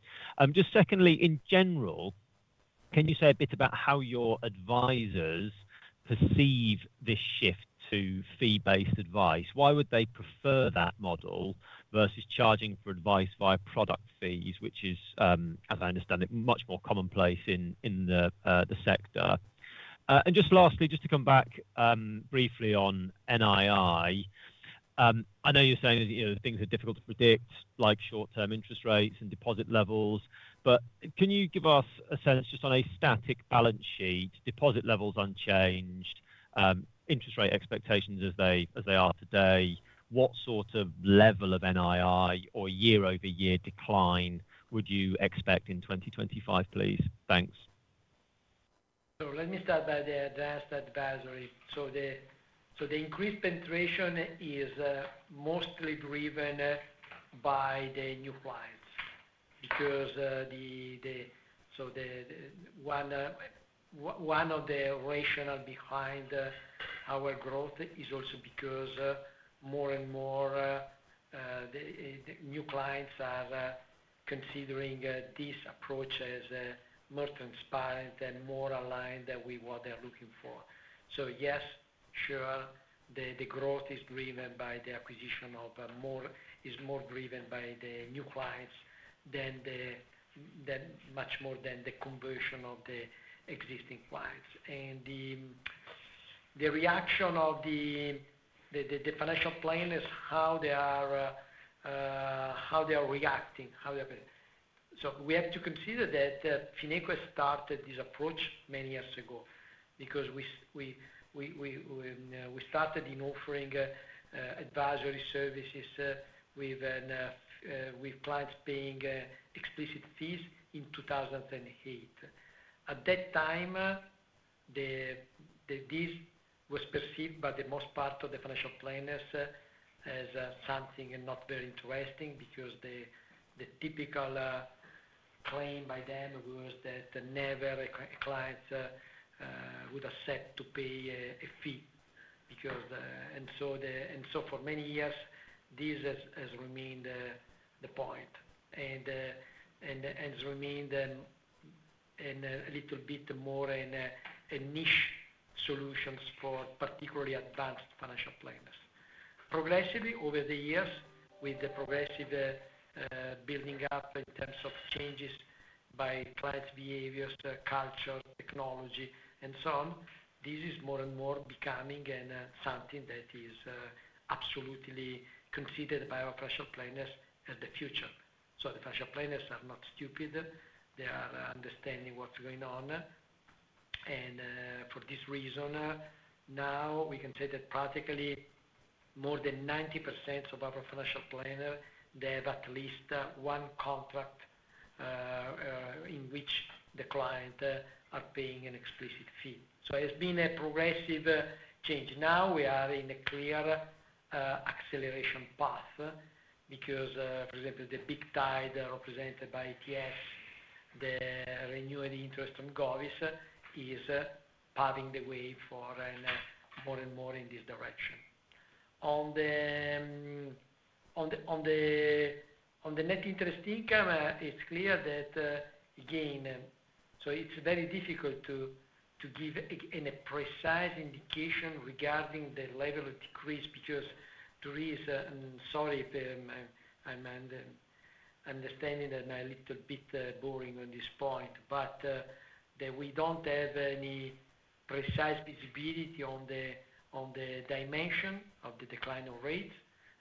Just secondly, in general, can you say a bit about how your advisors perceive this shift to fee-based advice? Why would they prefer that model versus charging for advice via product fees, which is, as I understand it, much more commonplace in the sector? Just lastly, just to come back briefly on NII, I know you're saying things are difficult to predict, like short-term interest rates and deposit levels, but can you give us a sense just on a static balance sheet, deposit levels unchanged, interest rate expectations as they are today, what sort of level of NII or year-over-year decline would you expect in 2025, please? Thanks. So let me start by the Advanced Advisory. So the increased penetration is mostly driven by the new clients because one of the rationales behind our growth is also because more and more new clients are considering these approaches more transparent and more aligned with what they're looking for. So yes, sure, the growth is driven by the acquisition of more is more driven by the new clients than much more than the conversion of the existing clients. And the reaction of the financial planners, how they are reacting so we have to consider that Fineco started this approach many years ago because we started in offering advisory services with clients paying explicit fees in 2008. At that time, this was perceived by the most part of the financial planners as something not very interesting because the typical claim by them was that never a client would accept to pay a fee, and so for many years, this has remained the point and has remained a little bit more in a niche solutions for particularly advanced financial planners. Progressively over the years, with the progressive building up in terms of changes by clients' behaviors, culture, technology, and so on, this is more and more becoming something that is absolutely considered by our financial planners as the future, so the financial planners are not stupid. They are understanding what's going on, and for this reason, now we can say that practically more than 90% of our financial planners, they have at least one contract in which the client are paying an explicit fee. It has been a progressive change. Now we are in a clear acceleration path because, for example, the big tide represented by ETFs, the renewed interest from govies is paving the way for more and more in this direction. On the net interest income, it's clear that, again, so it's very difficult to give a precise indication regarding the level of decrease because there is, sorry, I'm understanding that I'm a little bit boring on this point, but that we don't have any precise visibility on the dimension of the decline of rates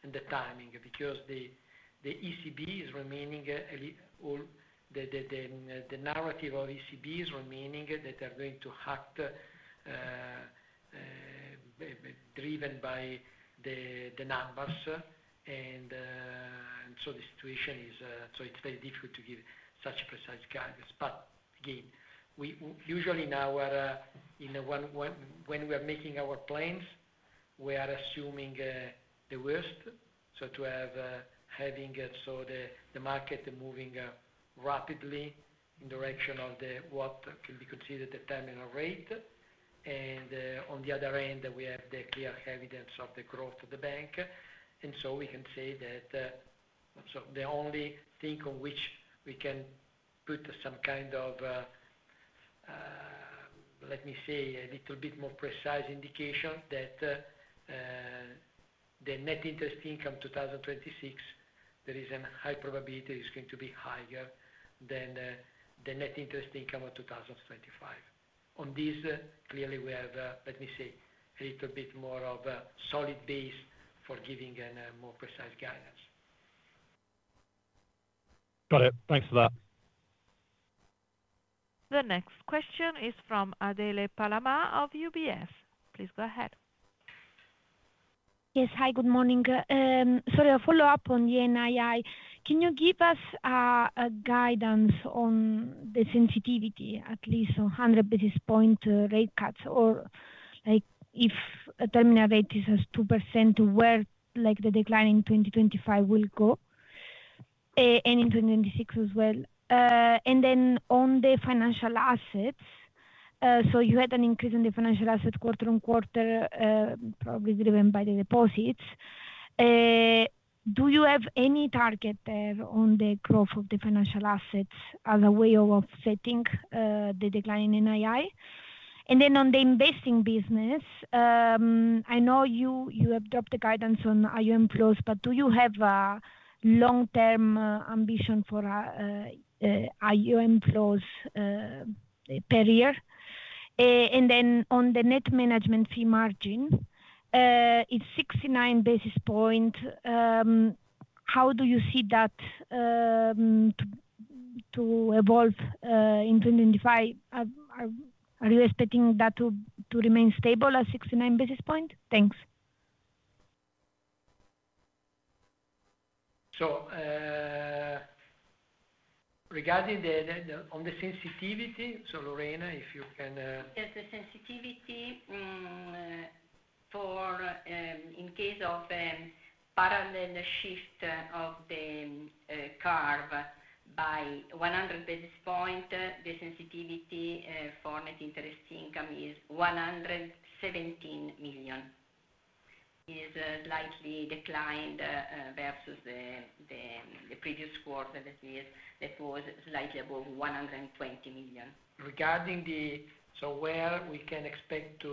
and the timing because the ECB is remaining, the narrative of ECB is remaining that they're going to act driven by the numbers. And so the situation is, so it's very difficult to give such a precise guidance. But again, usually when we are making our plans, we are assuming the worst. The market moving rapidly in the direction of what can be considered the terminal rate. On the other end, we have the clear evidence of the growth of the bank. We can say that the only thing on which we can put some kind of, let me say, a little bit more precise indication that the net interest income 2026, there is a high probability it's going to be higher than the net interest income of 2025. On this, clearly, we have, let me say, a little bit more of a solid base for giving a more precise guidance. Got it. Thanks for that. The next question is from Adele Palama of UBS. Please go ahead. Yes. Hi, good morning. Sorry, a follow-up on the NII. Can you give us a guidance on the sensitivity, at least on 100 bp rate cuts or if a terminal rate is 2% to where the decline in 2025 will go and in 2026 as well? And then on the financial assets, so you had an increase in the financial assets quarter-on-quarter, probably driven by the deposits. Do you have any target there on the growth of the financial assets as a way of offsetting the decline in NII? And then on the investing business, I know you have dropped the guidance on AUM flows, but do you have a long-term ambition for AUM flows per year? And then on the net management fee margin, it's 69 bps. How do you see that to evolve in 2025? Are you expecting that to remain stable at 69 bps? Thanks. So, regarding on the sensitivity, Lorena, if you can. Yes. The sensitivity in case of parallel shift of the curve by 100 bps, the sensitivity for net interest income is 117 million, is slightly declined versus the previous quarter that was slightly above 120 million. Regarding where we can expect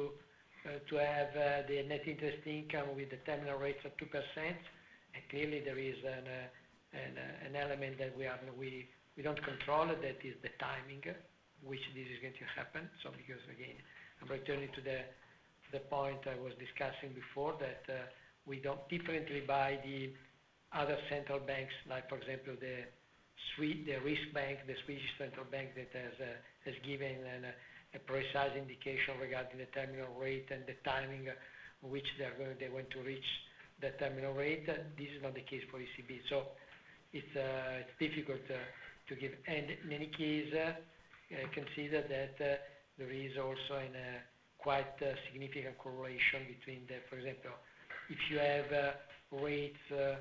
to have the net interest income with the terminal rates of 2%, clearly, there is an element that we don't control that is the timing which this is going to happen. So because, again, I'm returning to the point I was discussing before that we differently from the other central banks, like, for example, the Swiss bank, the Swedish central bank that has given a precise indication regarding the terminal rate and the timing which they want to reach the terminal rate. This is not the case for ECB. So it's difficult to give. And in any case, consider that there is also a quite significant correlation between the, for example, if you have rates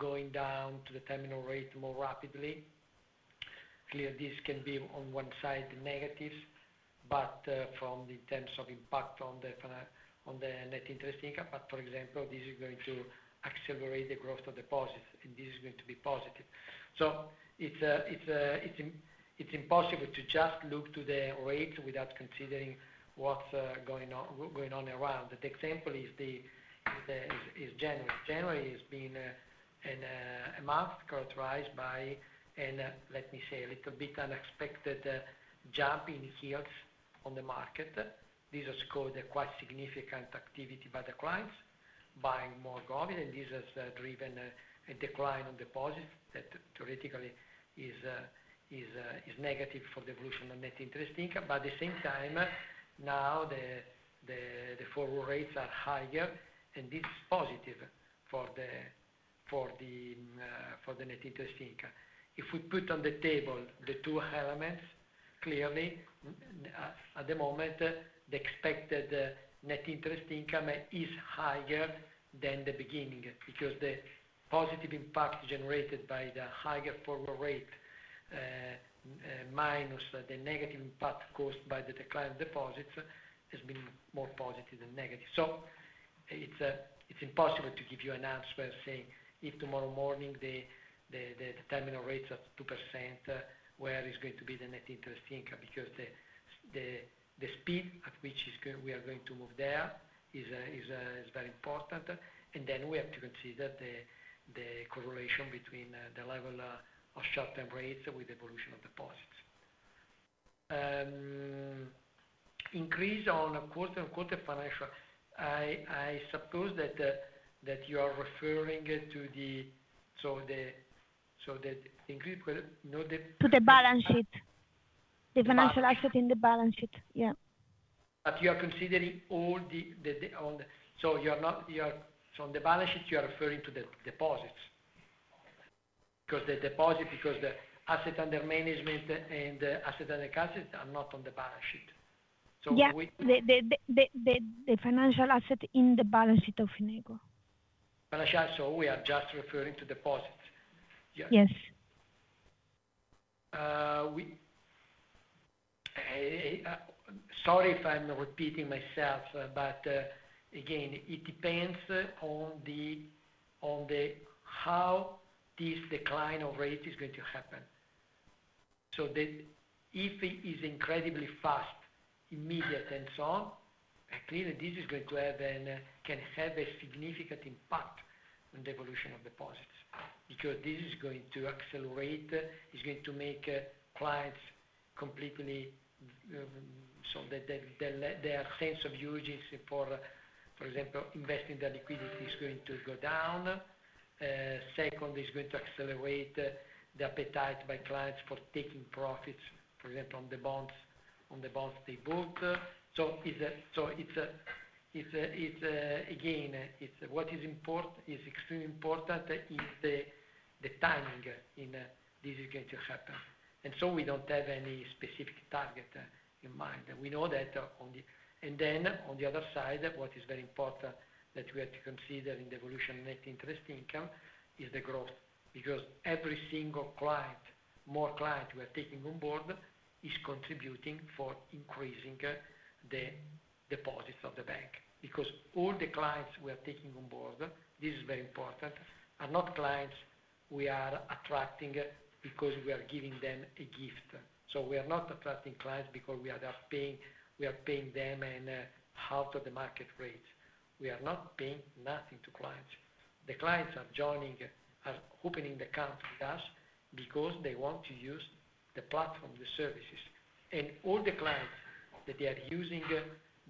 going down to the terminal rate more rapidly, clearly, this can be on one side negatives, but from the terms of impact on the net interest income, but, for example, this is going to accelerate the growth of deposits, and this is going to be positive. So it's impossible to just look to the rates without considering what's going on around. The example is January. January has been a month characterized by an, let me say, a little bit unexpected jump in yields on the market. This has caused a quite significant activity by the clients buying more govies, and this has driven a decline on deposits that theoretically is negative for the evolution of net interest income. But at the same time, now the forward rates are higher, and this is positive for the net interest income. If we put on the table the two elements, clearly, at the moment, the expected net interest income is higher than the beginning because the positive impact generated by the higher forward rate minus the negative impact caused by the decline of deposits has been more positive than negative. So it's impossible to give you an answer saying if tomorrow morning the terminal rates are 2%, where is going to be the net interest income because the speed at which we are going to move there is very important. And then we have to consider the correlation between the level of short-term rates with the evolution of deposits. Increase on quarter-on-quarter financial. I suppose that you are referring to the increase, no. To the balance sheet. The financial asset in the balance sheet. Yeah. But you are considering all this so you are from the balance sheet. You are referring to the deposits because the assets under management and assets under custody are not on the balance sheet. So we. Yeah. The financial asset in the balance sheet of Fineco. Financial asset, so we are just referring to deposits. Yes. Sorry if I'm repeating myself, but again, it depends on how this decline of rate is going to happen, so if it is incredibly fast, immediate, and so on, clearly, this is going to have a significant impact on the evolution of deposits because this is going to accelerate, is going to make clients completely so that their sense of urgency for, for example, investing their liquidity is going to go down. Second, it's going to accelerate the appetite by clients for taking profits, for example, on the bonds they bought, so it's again, what is extremely important is the timing in this is going to happen, and so we don't have any specific target in mind. We know that on the one hand and then on the other side, what is very important that we have to consider in the evolution of net interest income is the growth because every single client, more clients we are taking on board is contributing for increasing the deposits of the bank. Because all the clients we are taking on board, this is very important, are not clients we are attracting because we are giving them a gift. So we are not attracting clients because we are paying them at half of the market rates. We are not paying nothing to clients. The clients are opening the account with us because they want to use the platform, the services, and all the clients that they are using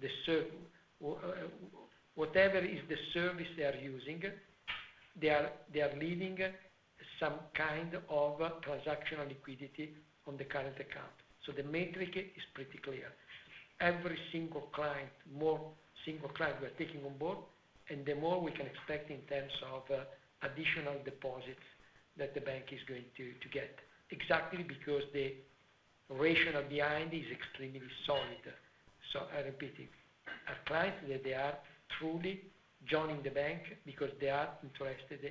the whatever is the service they are using, they are leaving some kind of transactional liquidity on the current account. The metric is pretty clear. Every single client, more single clients we are taking on board, and the more we can expect in terms of additional deposits that the bank is going to get. Exactly because the ratio of the IND is extremely solid. I repeat, our clients, they are truly joining the bank because they are interested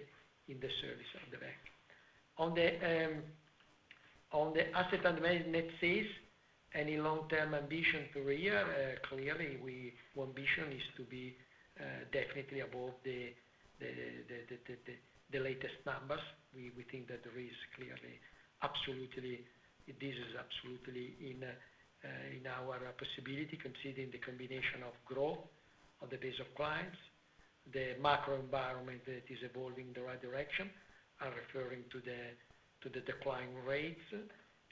in the service of the bank. On the assets under management side, any long-term ambition for a year, clearly, our ambition is to be definitely above the latest numbers. We think that there is clearly absolutely this is absolutely in our possibility considering the combination of growth on the base of clients, the macro environment that is evolving in the right direction. I'm referring to the decline rates.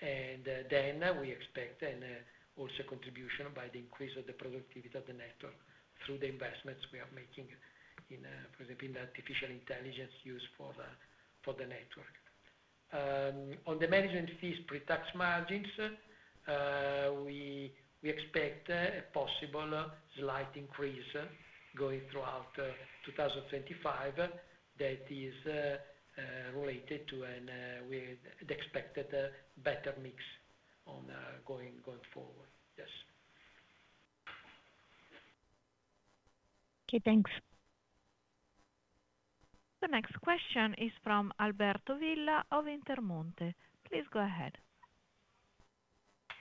And then we expect also contribution by the increase of the productivity of the network through the investments we are making, for example, in the artificial intelligence used for the network. On the management fees, pre-tax margins, we expect a possible slight increase going throughout 2025 that is related to an expected better mix going forward. Yes. Okay. Thanks. The next question is from Alberto Villa of Intermonte. Please go ahead.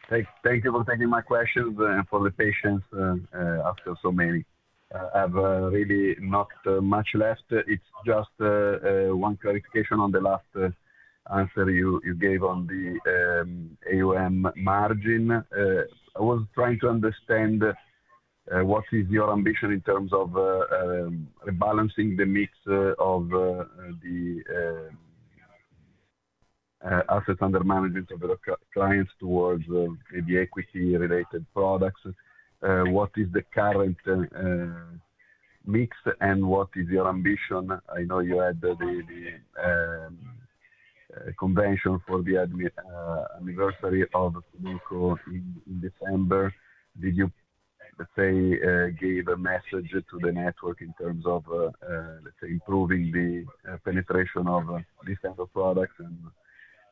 Thank you for taking my questions and for the patience after so many. I have really not much left. It's just one clarification on the last answer you gave on the AUM margin. I was trying to understand what is your ambition in terms of rebalancing the mix of the assets under management of the clients towards the equity-related products. What is the current mix and what is your ambition? I know you had the convention for the anniversary of Fineco in December. Did you, let's say, give a message to the network in terms of, let's say, improving the penetration of these kinds of products?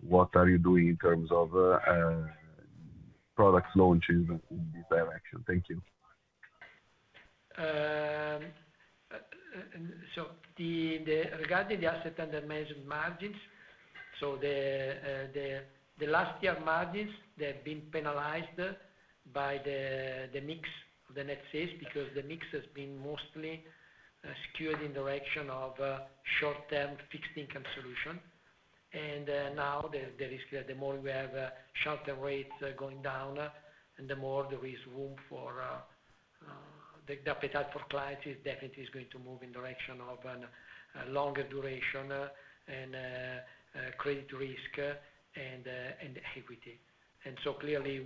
And what are you doing in terms of product launches in this direction? Thank you. So regarding the assets under management margins, so the last year margins, they have been penalized by the mix of the net sales because the mix has been mostly skewed in the direction of short-term fixed income solution. And now the risk that the more we have short-term rates going down, and the more there is room for the appetite for clients is definitely going to move in the direction of a longer duration and credit risk and equity. And so clearly,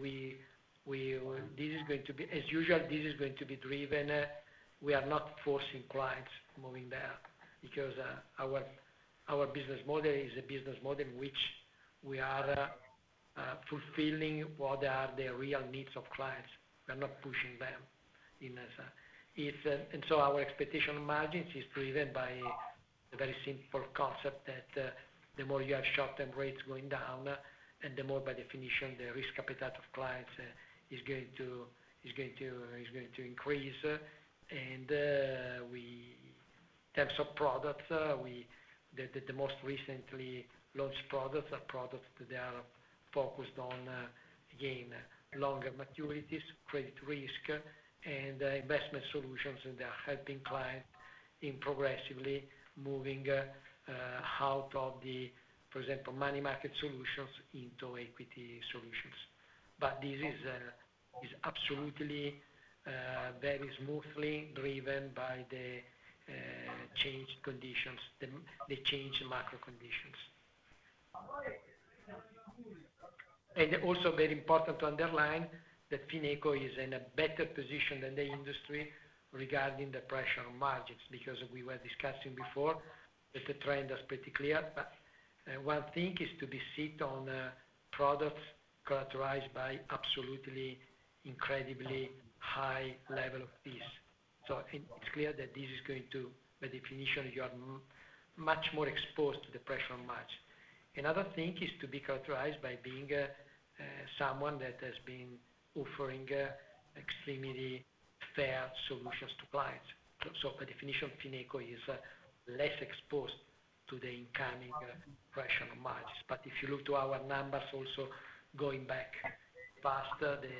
this is going to be as usual, this is going to be driven. We are not forcing clients moving there because our business model is a business model in which we are fulfilling what are the real needs of clients. We are not pushing them in this. So our expectation margins is driven by a very simple concept that the more you have short-term rates going down, and the more, by definition, the risk appetite of clients is going to increase. In terms of products, the most recently launched products are products that they are focused on, again, longer maturities, credit risk, and investment solutions, and they are helping clients in progressively moving out of the, for example, money market solutions into equity solutions. This is absolutely very smoothly driven by the changed conditions, the changed macro conditions. Also very important to underline that Fineco is in a better position than the industry regarding the pressure on margins because we were discussing before that the trend is pretty clear. One thing is to be set on products characterized by absolutely incredibly high level of fees. So it's clear that this is going to, by definition, you are much more exposed to the pressure on margins. Another thing is to be characterized by being someone that has been offering extremely fair solutions to clients. So by definition, Fineco is less exposed to the incoming pressure on margins. But if you look to our numbers also going back faster, the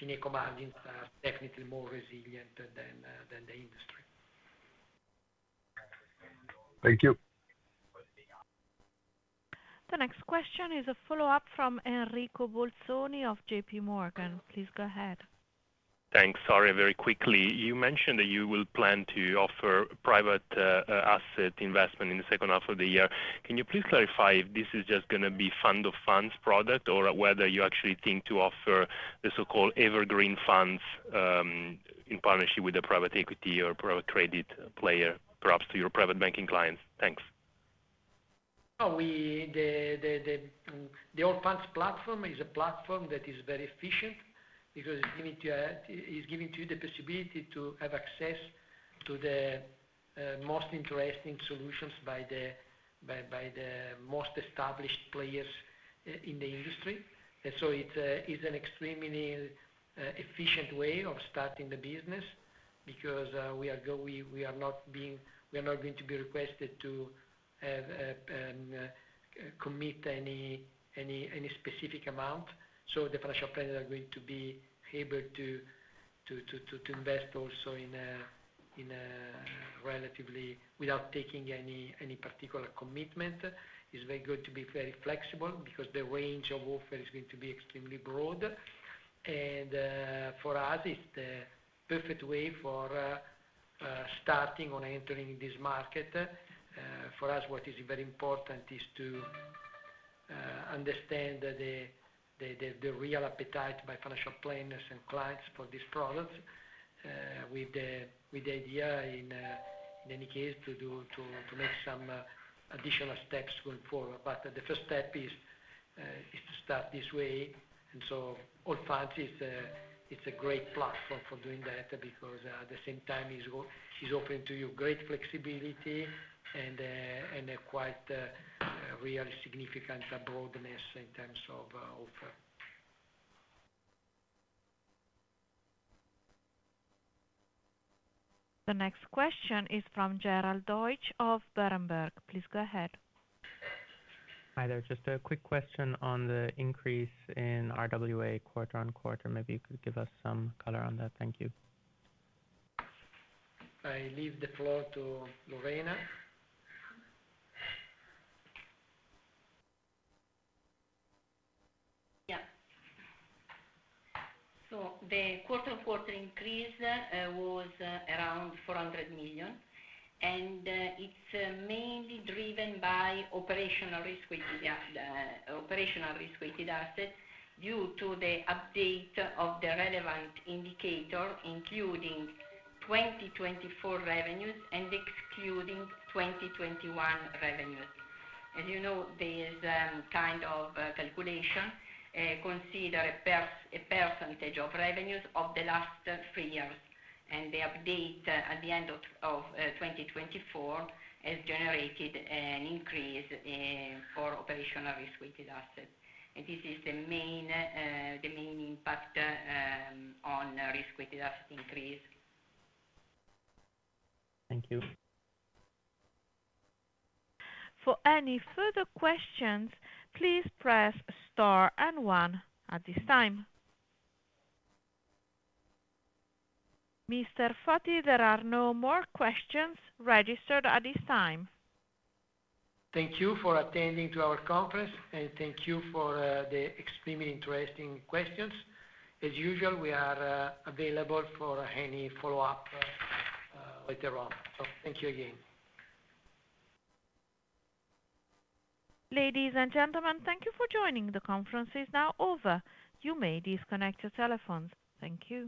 Fineco margins are definitely more resilient than the industry. Thank you. The next question is a follow-up from Enrico Bolzoni of J.P. Morgan. Please go ahead. Thanks. Sorry, very quickly. You mentioned that you will plan to offer private asset investment in the second half of the year. Can you please clarify if this is just going to be fund of funds product or whether you actually think to offer the so-called evergreen funds in partnership with the private equity or private credit player, perhaps to your private banking clients? Thanks. The Allfunds platform is a platform that is very efficient because it's giving to you the possibility to have access to the most interesting solutions by the most established players in the industry. And so it's an extremely efficient way of starting the business because we are not going to be requested to commit any specific amount. So the financial planners are going to be able to invest also without taking any particular commitment. It's very good to be very flexible because the range of offer is going to be extremely broad. And for us, it's the perfect way for starting on entering this market. For us, what is very important is to understand the real appetite by financial planners and clients for these products with the idea, in any case, to make some additional steps going forward. But the first step is to start this way. And so Allfunds is a great platform for doing that because at the same time, it's offering to you great flexibility and quite really significant broadness in terms of offer. The next question is from Gerald Deutsch of Berenberg. Please go ahead. Hi, there's just a quick question on the increase in RWA quarter-on-quarter. Maybe you could give us some color on that. Thank you. I leave the floor to Lorena. Yeah. So the quarter-on-quarter increase was around 400 million. And it's mainly driven by operational risk-weighted assets due to the update of the relevant indicator, including 2024 revenues and excluding 2021 revenues. As you know, there is a kind of calculation considering a percentage of revenues of the last three years. And the update at the end of 2024 has generated an increase for operational risk-weighted assets. And this is the main impact on risk-weighted asset increase. Thank you. For any further questions, please press star and one at this time. Mr. Foti, there are no more questions registered at this time. Thank you for attending our conference, and thank you for the extremely interesting questions. As usual, we are available for any follow-up later on, so thank you again. Ladies and gentlemen, thank you for joining. The conference is now over. You may disconnect your telephones. Thank you.